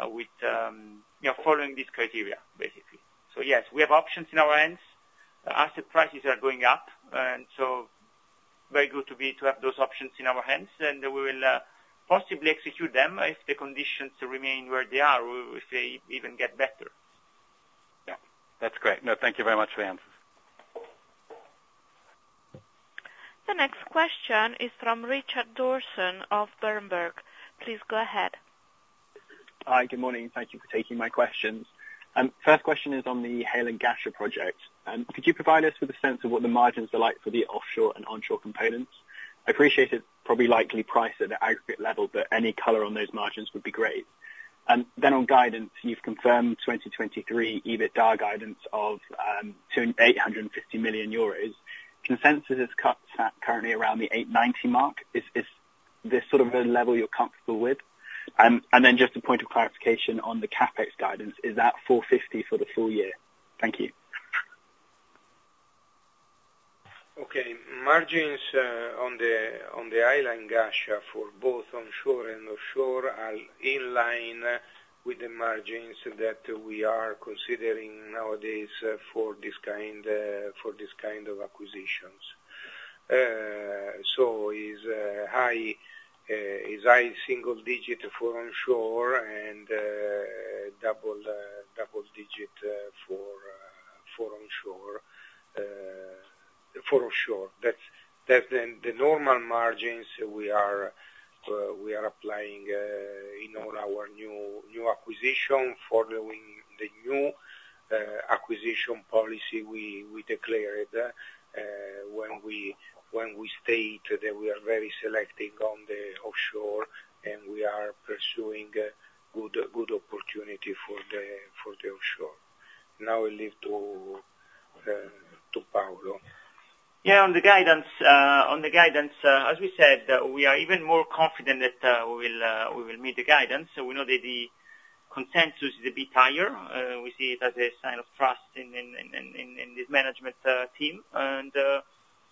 with. Yeah, following this criteria, basically. So yes, we have options in our hands. Asset prices are going up, and so very good to be, to have those options in our hands, and we will, possibly execute them if the conditions remain where they are, or if they even get better. Yeah, that's great. No, thank you very much for the answers. The next question is from Richard Dawson of Berenberg. Please go ahead. Hi, good morning, thank you for taking my questions. First question is on the Hail and Ghasha project. Could you provide us with a sense of what the margins are like for the offshore and onshore components? I appreciate it's probably likely priced at the aggregate level, but any color on those margins would be great. And then on guidance, you've confirmed 2023 EBITDA guidance of 850 million euros. Consensus is currently around the 890 mark. Is this sort of the level you're comfortable with? And then just a point of clarification on the CapEx guidance, is that 450 million for the full year? Thank you. Okay. Margins on the Hail and Ghasha, for both onshore and offshore, are in line with the margins that we are considering nowadays for this kind of acquisitions. So is high single digit for onshore and double digit for offshore. That's the normal margins we are applying in all our new acquisitions, following the new acquisition policy we declared when we stated that we are very selective on the offshore, and we are pursuing good opportunities for the offshore. Now I leave to Paolo. Yeah, on the guidance, as we said, we are even more confident that we will meet the guidance. So we know that the consensus is a bit higher. We see it as a sign of trust in this management team. And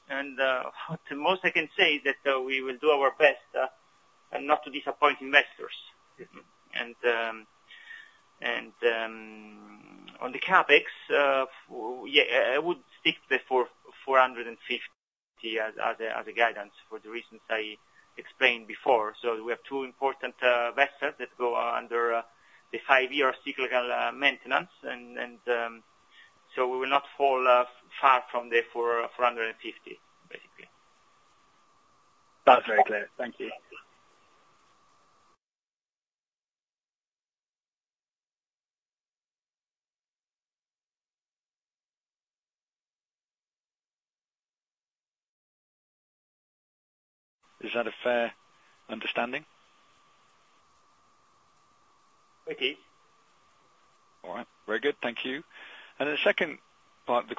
what more I can say that we will do our best and not to disappoint investors. On the CapEx, yeah, I would stick to the 450 as the guidance for the reasons I explained before. So we have two important vessels that go under the five year cyclical maintenance, and so we will not fall far from the 450, basically. That's very clear. Thank you. Is that a fair understanding? Okay. All right. Very good, thank you. And the second part of the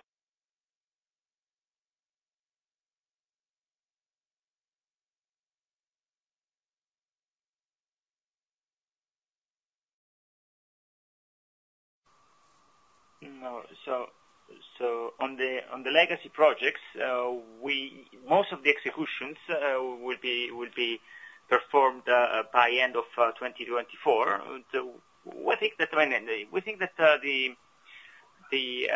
No. So, on the legacy projects, we most of the executions will be performed by end of 2024. So we think that the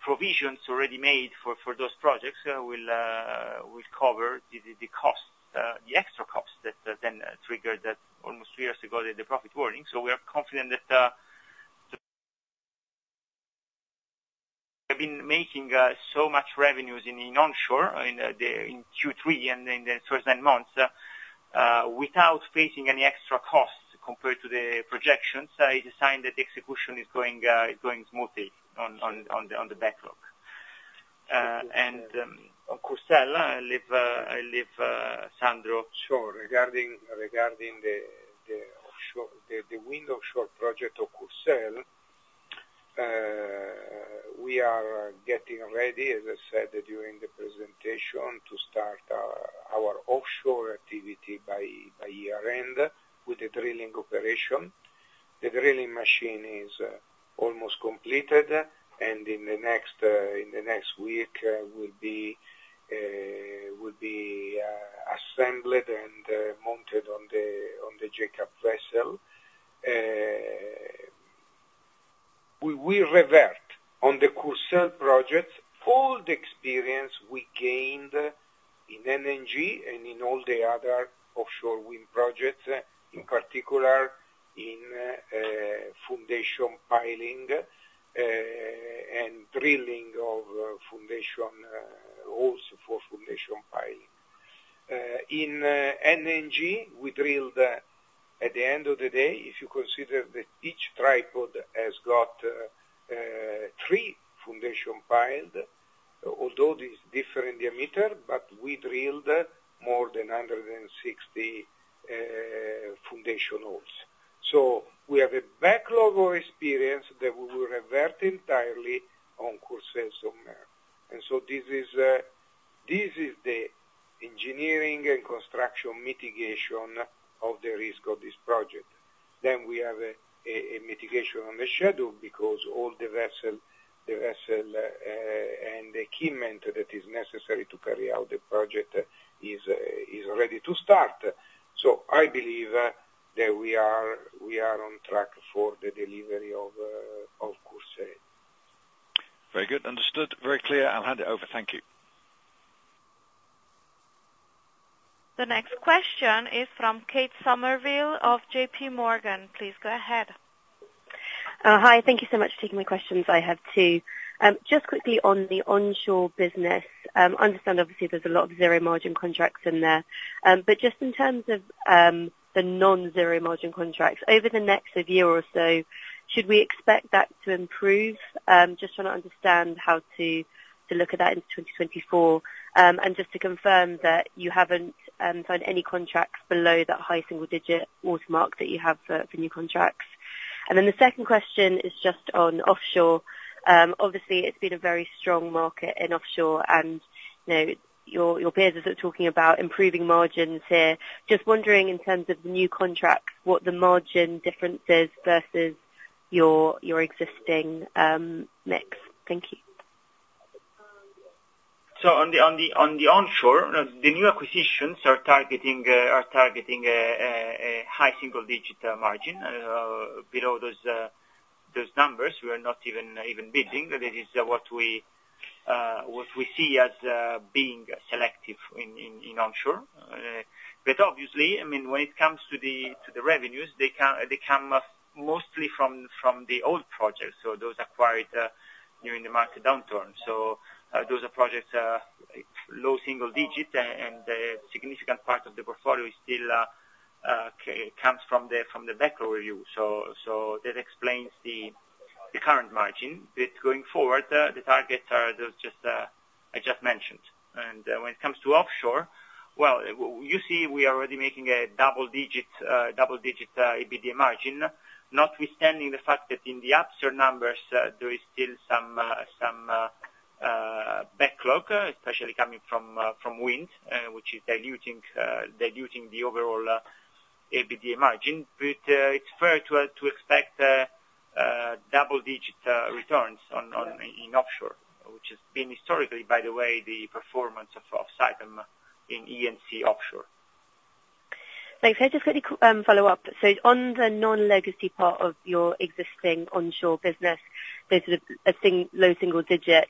provisions already made for those projects will cover the cost, the extra cost, that then triggered that almost three years ago, the profit warning. So we are confident that have been making so much revenues in onshore, in Q3 and in the first nine months, without facing any extra costs compared to the projections, is a sign that execution is going smoothly on the backlog and on Courseulles, I leave Sandro. Sure. Regarding the offshore wind project of Courseulles, we are getting ready, as I said during the presentation, to start our offshore activity by year end, with the drilling operation. The drilling machine is almost completed, and in the next week, will be assembled and mounted on the jackup vessel. We will revert on the Courseulles project, all the experience we gained in NNG and in all the other offshore wind projects, in particular, in foundation piling and drilling of foundation, also for foundation piling. In NnG, we drilled, at the end of the day, if you consider that each tripod has got three foundation pile, although it is different diameter, but we drilled more than 160 foundation holes. So we have a backlog of experience that we will revert entirely on Courseulles-sur-Mer. And so this is the engineering and construction mitigation of the risk of this project. Then we have a mitigation on the schedule, because all the vessel, the vessel, and the equipment that is necessary to carry out the project is ready to start. So I believe that we are on track for the delivery of Courseulles-sur-Mer. Very good. Understood. Very clear. I'll hand it over. Thank you. The next question is from Kate Somerville of JPMorgan. Please go ahead. Hi, thank you so much for taking my questions. I have two. Just quickly on the onshore business, I understand obviously there's a lot of zero margin contracts in there. But just in terms of the non-zero margin contracts, over the next year or so, should we expect that to improve? Just trying to understand how to look at that into 2024. And just to confirm that you haven't signed any contracts below that high single digit watermark that you have for new contracts. And then the second question is just on offshore. Obviously, it's been a very strong market in offshore, and, you know, your peers are sort of talking about improving margins here. Just wondering, in terms of new contracts, what the margin difference is versus your existing mix? Thank you. So on the onshore, the new acquisitions are targeting a high single-digit margin. Below those numbers, we are not even bidding. That is what we see as being selective in onshore. But obviously, I mean, when it comes to the revenues, they come mostly from the old projects, so those acquired during the market downturn. So those are projects, low single-digit, and a significant part of the portfolio is still comes from the backlog review. So that explains the current margin. But going forward, the targets are just I just mentioned. And, when it comes to offshore, well, you see, we are already making a double-digit EBITDA margin, notwithstanding the fact that in the upside numbers there is still some backlog, especially coming from wind, which is diluting the overall EBITDA margin. But, it's fair to expect double-digit returns in offshore, which has been historically, by the way, the performance of Saipem in E&C offshore. Thanks. Just a quick follow-up. So on the non-legacy part of your existing onshore business, the sort of a low single digit,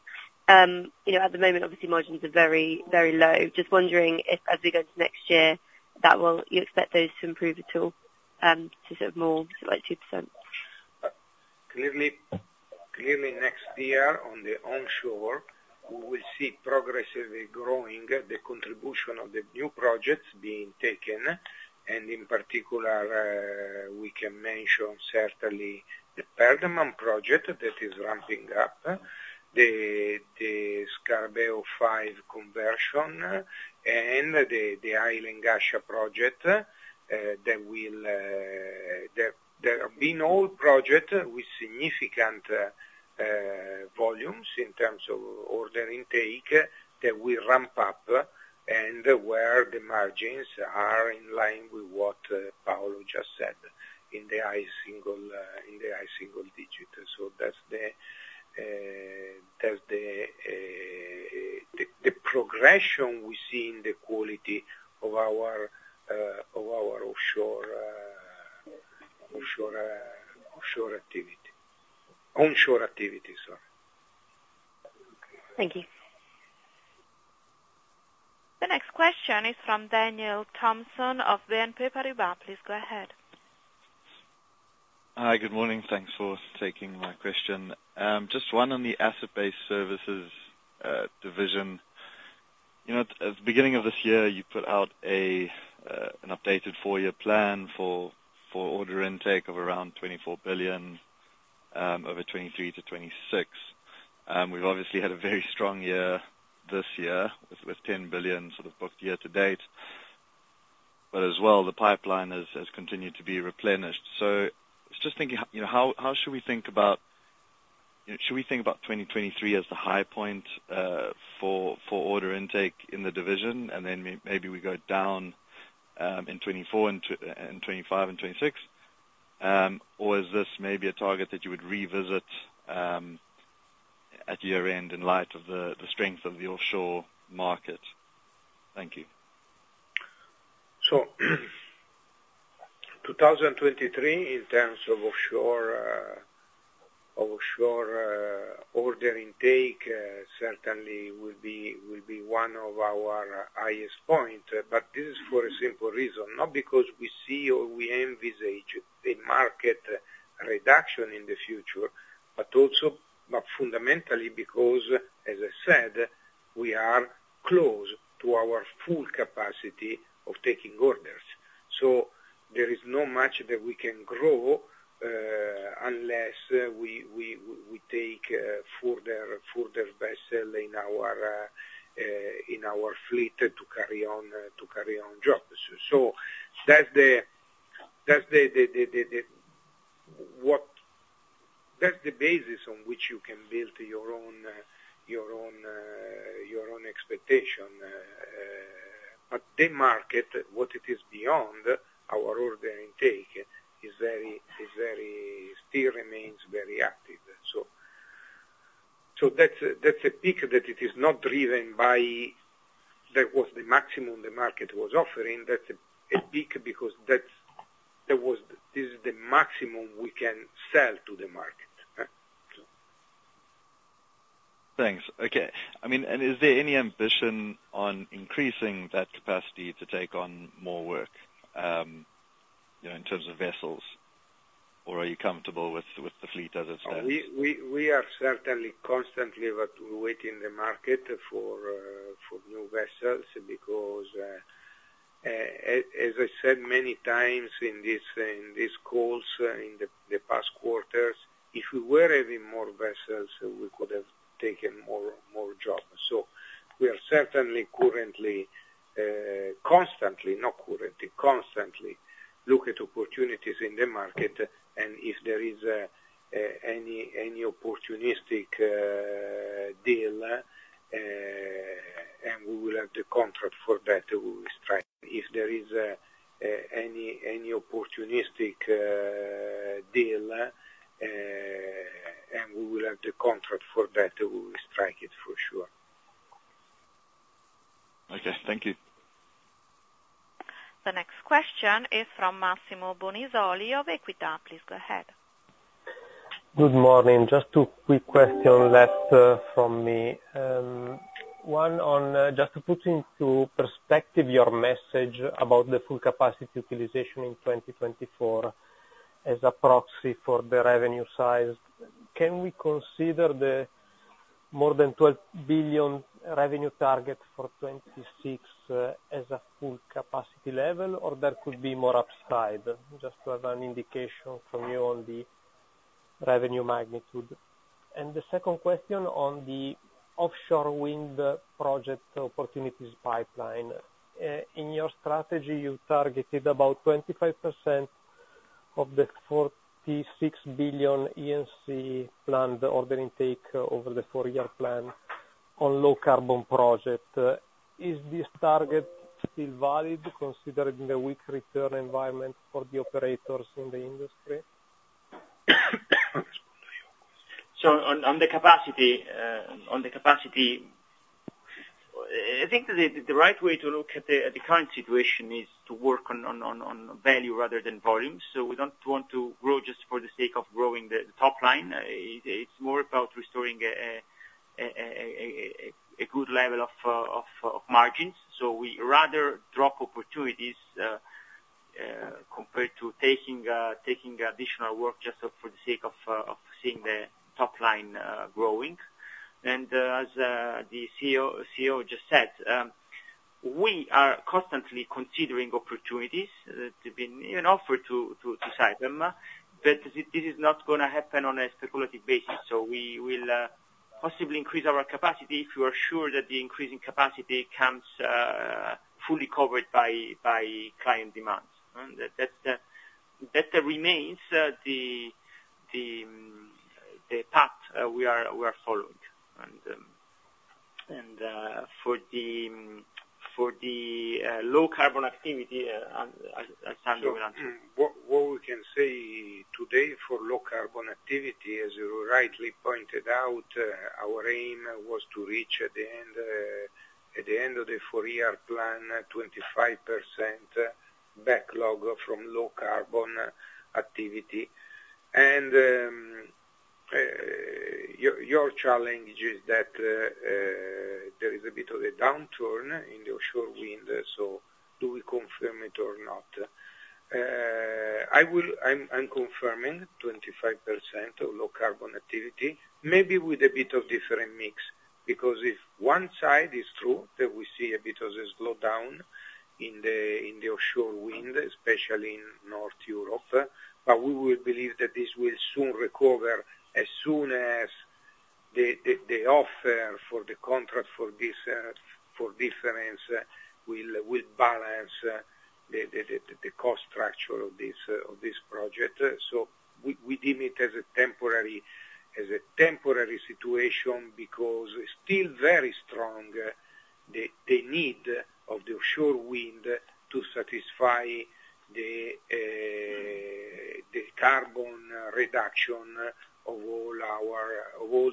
you know, at the moment, obviously, margins are very, very low. Just wondering if, as we go to next year, that will you expect those to improve at all, to sort of more, like, 2%? Clearly, clearly, next year on the onshore, we will see progressively growing the contribution of the new projects being taken, and in particular, we can mention certainly the Perdaman project that is ramping up, the Scarabeo 5 conversion, and the Hail and Ghasha project, that will, that there have been all projects with significant volumes in terms of order intake, that will ramp up, and where the margins are in line with what Paolo just said, in the high single digit. So that's the, that's the progression we see in the quality of our onshore activity. Onshore activity, sorry. Thank you. The next question is from Daniel Thomson of BNP Paribas. Please go ahead. Hi, good morning. Thanks for taking my question. Just one on the Asset-Based Services division. You know, at the beginning of this year, you put out an updated four-year plan for order intake of around 24 billion over 2023 to 2026. We've obviously had a very strong year this year, with 10 billion sort of booked year to date, but as well, the pipeline has continued to be replenished. So I was just thinking, how, you know, how should we think about... You know, should we think about 2023 as the high point for order intake in the division, and then maybe we go down in 2024 and 2025 and 2026? Or is this maybe a target that you would revisit at year-end, in light of the strength of the offshore market? Thank you. So 2023, in terms of offshore, offshore, order intake, certainly will be, will be one of our highest point. But this is for a simple reason: not because we see or we envisage a market reduction in the future, but also, but fundamentally, because, as I said, we are close to our full capacity of taking orders. So there is not much that we can grow, unless we take further vessel in our fleet to carry on jobs. So that's the basis on which you can build your own expectation. But the market, what it is beyond our order intake, is very still remains very active. So that's a peak that it is not driven by that was the maximum the market was offering. That's a peak because that's the maximum we can sell to the market, so. Thanks. Okay. I mean, and is there any ambition on increasing that capacity to take on more work, you know, in terms of vessels, or are you comfortable with, with the fleet as it stands? We are certainly constantly watching the market for new vessels, because as I said many times in these calls in the past quarters, if we were having more vessels, we could have taken more jobs. So we are certainly constantly looking at opportunities in the market, and if there is any opportunistic deal and we will have the contract for better or worse, we strike. If there is any opportunistic deal and we will have the contract for better or worse, we will strike it for sure. Okay, thank you. The next question is from Massimo Bonisoli of Equita. Please go ahead. Good morning. Just two quick questions left from me. One on just to put into perspective your message about the full capacity utilization in 2024, as a proxy for the revenue size, can we consider the more than 12 billion revenue target for 2026 as a full capacity level, or there could be more upside? Just to have an indication from you on the revenue magnitude. The second question on the offshore wind project opportunities pipeline. In your strategy, you targeted about 25% of the 46 billion E&C planned order intake over the four-year plan on low-carbon project. Is this target still valid, considering the weak return environment for the operators in the industry? So, on the capacity, I think the right way to look at the current situation is to work on value rather than volume. So we don't want to grow just for the sake of growing the top line. It's more about restoring a good level of margins. So we rather drop opportunities compared to taking additional work just for the sake of seeing the top line growing. And, as the CEO just said, we are constantly considering opportunities to bid on or to sign them. But this is not gonna happen on a speculative basis. So we will possibly increase our capacity, if you are sure that the increase in capacity comes fully covered by client demands. And that remains the path we are following. And for the low-carbon activity, I'll stand with that. So what we can say today for low-carbon activity, as you rightly pointed out, our aim was to reach at the end of the four-year plan, 25% backlog from low-carbon activity. And your challenge is that there is a bit of a downturn in the offshore wind sector. Do we confirm it or not? I will, I'm confirming 25% of low-carbon activity, maybe with a bit of different mix, because if one side is true, that we see a bit of a slowdown in the offshore wind, especially in North Europe. But we would believe that this will soon recover as soon as the offer for the Contract for Difference will balance the cost structure of this project. So we deem it as a temporary situation, because it's still very strong, the need of the offshore wind to satisfy the carbon reduction of all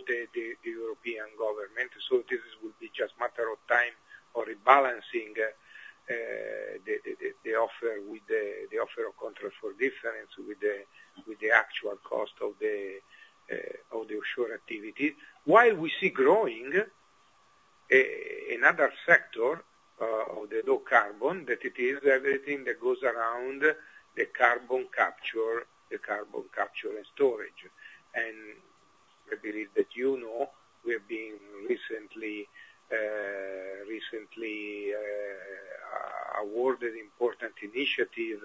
the European government. So this would be just a matter of time or rebalancing the offer with the offer of contract for difference with the actual cost of the offshore activity. While we see growing another sector of the low carbon, that it is everything that goes around the carbon capture, the carbon capture and storage. And I believe that you know, we have been recently awarded important initiative,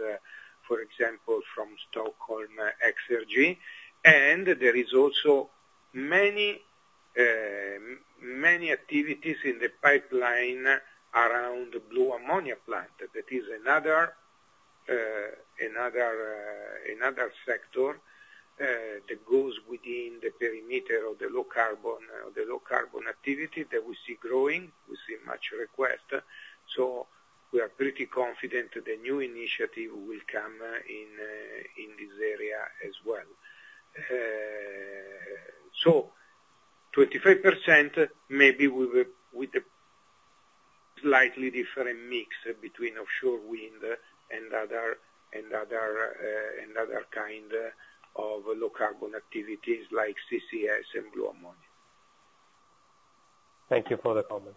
for example, from Stockholm Exergi, and there is also many activities in the pipeline around the blue ammonia plant. That is another sector that goes within the perimeter of the low carbon, the low carbon activity that we see growing. We see much request, so we are pretty confident that the new initiative will come in, in this area as well. So 25%, maybe with a slightly different mix between offshore wind and other, and other kind of low carbon activities like CCS and blue ammonia. Thank you for the comment.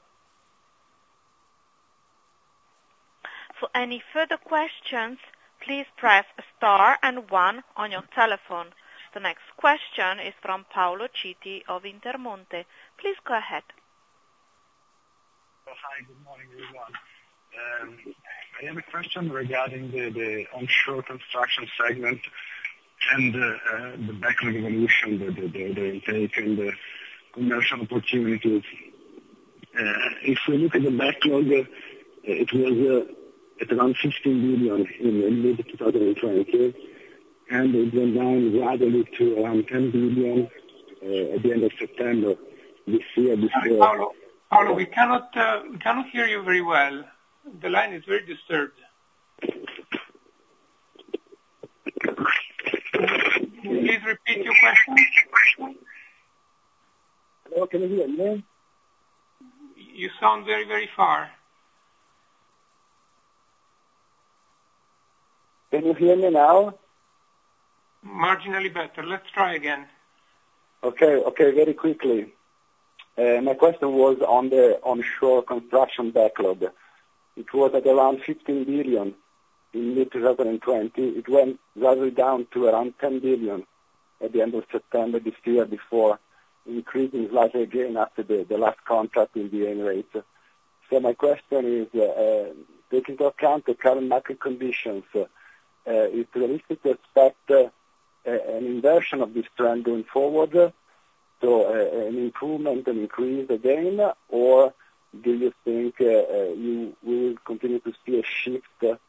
For any further questions, please press star and one on your telephone. The next question is from Paolo Citi of Intermonte. Please go ahead. Oh, hi, good morning, everyone. I have a question regarding the onshore construction segment and the backlog evolution, the intake and the commercial opportunities. If we look at the backlog, it was at around 16 billion in mid-2020, and it went down rather to around 10 billion at the end of September this year- Hi, Paolo. Paolo, we cannot, we cannot hear you very well. The line is very disturbed. Can you please repeat your question? Hello, can you hear me? You sound very, very far. Can you hear me now? Marginally better. Let's try again. Okay, okay, very quickly. My question was on the onshore construction backlog. It was at around 15 billion in mid 2020. It went rather down to around 10 billion at the end of September this year, before increasing largely again after the last contract in the UAE. So my question is, taking into account the current market conditions, is realistic to expect an inversion of this trend going forward, so an improvement and increase again? Or do you think you will continue to see a shift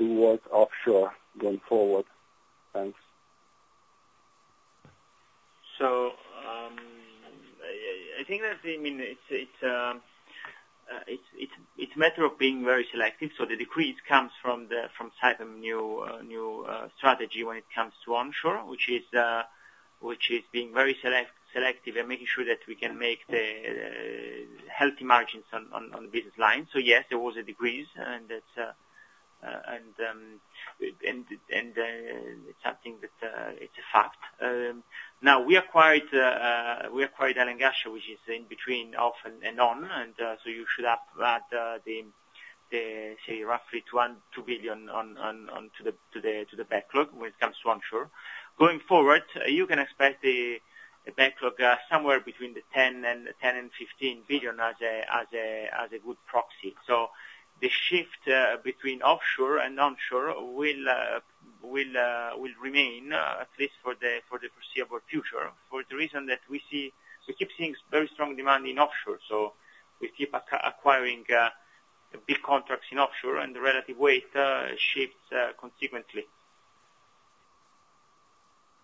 towards offshore going forward? Thanks. I think that, I mean, it's a matter of being very selective. So the decrease comes from Saipem's new strategy when it comes to onshore, which is being very selective, and making sure that we can make the healthy margins on the business line. So yes, there was a decrease, and that's something that it's a fact. Now, we acquired Hail and Ghasha, which is in between offshore and onshore. And so you should have add the say roughly $2 billion onto the backlog when it comes to onshore. Going forward, you can expect the backlog somewhere between 10 and 15 billion as a good proxy. So the shift between offshore and onshore will remain at least for the foreseeable future, for the reason that we keep seeing very strong demand in offshore. So we keep acquiring big contracts in offshore, and the relative weight shifts consequently.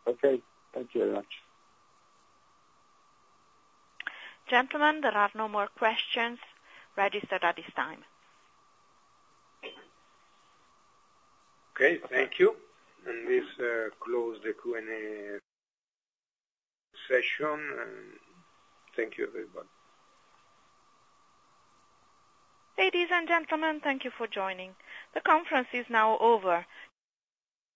Okay, thank you very much. Gentlemen, there are no more questions registered at this time. Okay, thank you. And this, close the Q&A session, and thank you, everyone. Ladies and gentlemen, thank you for joining. The conference is now over.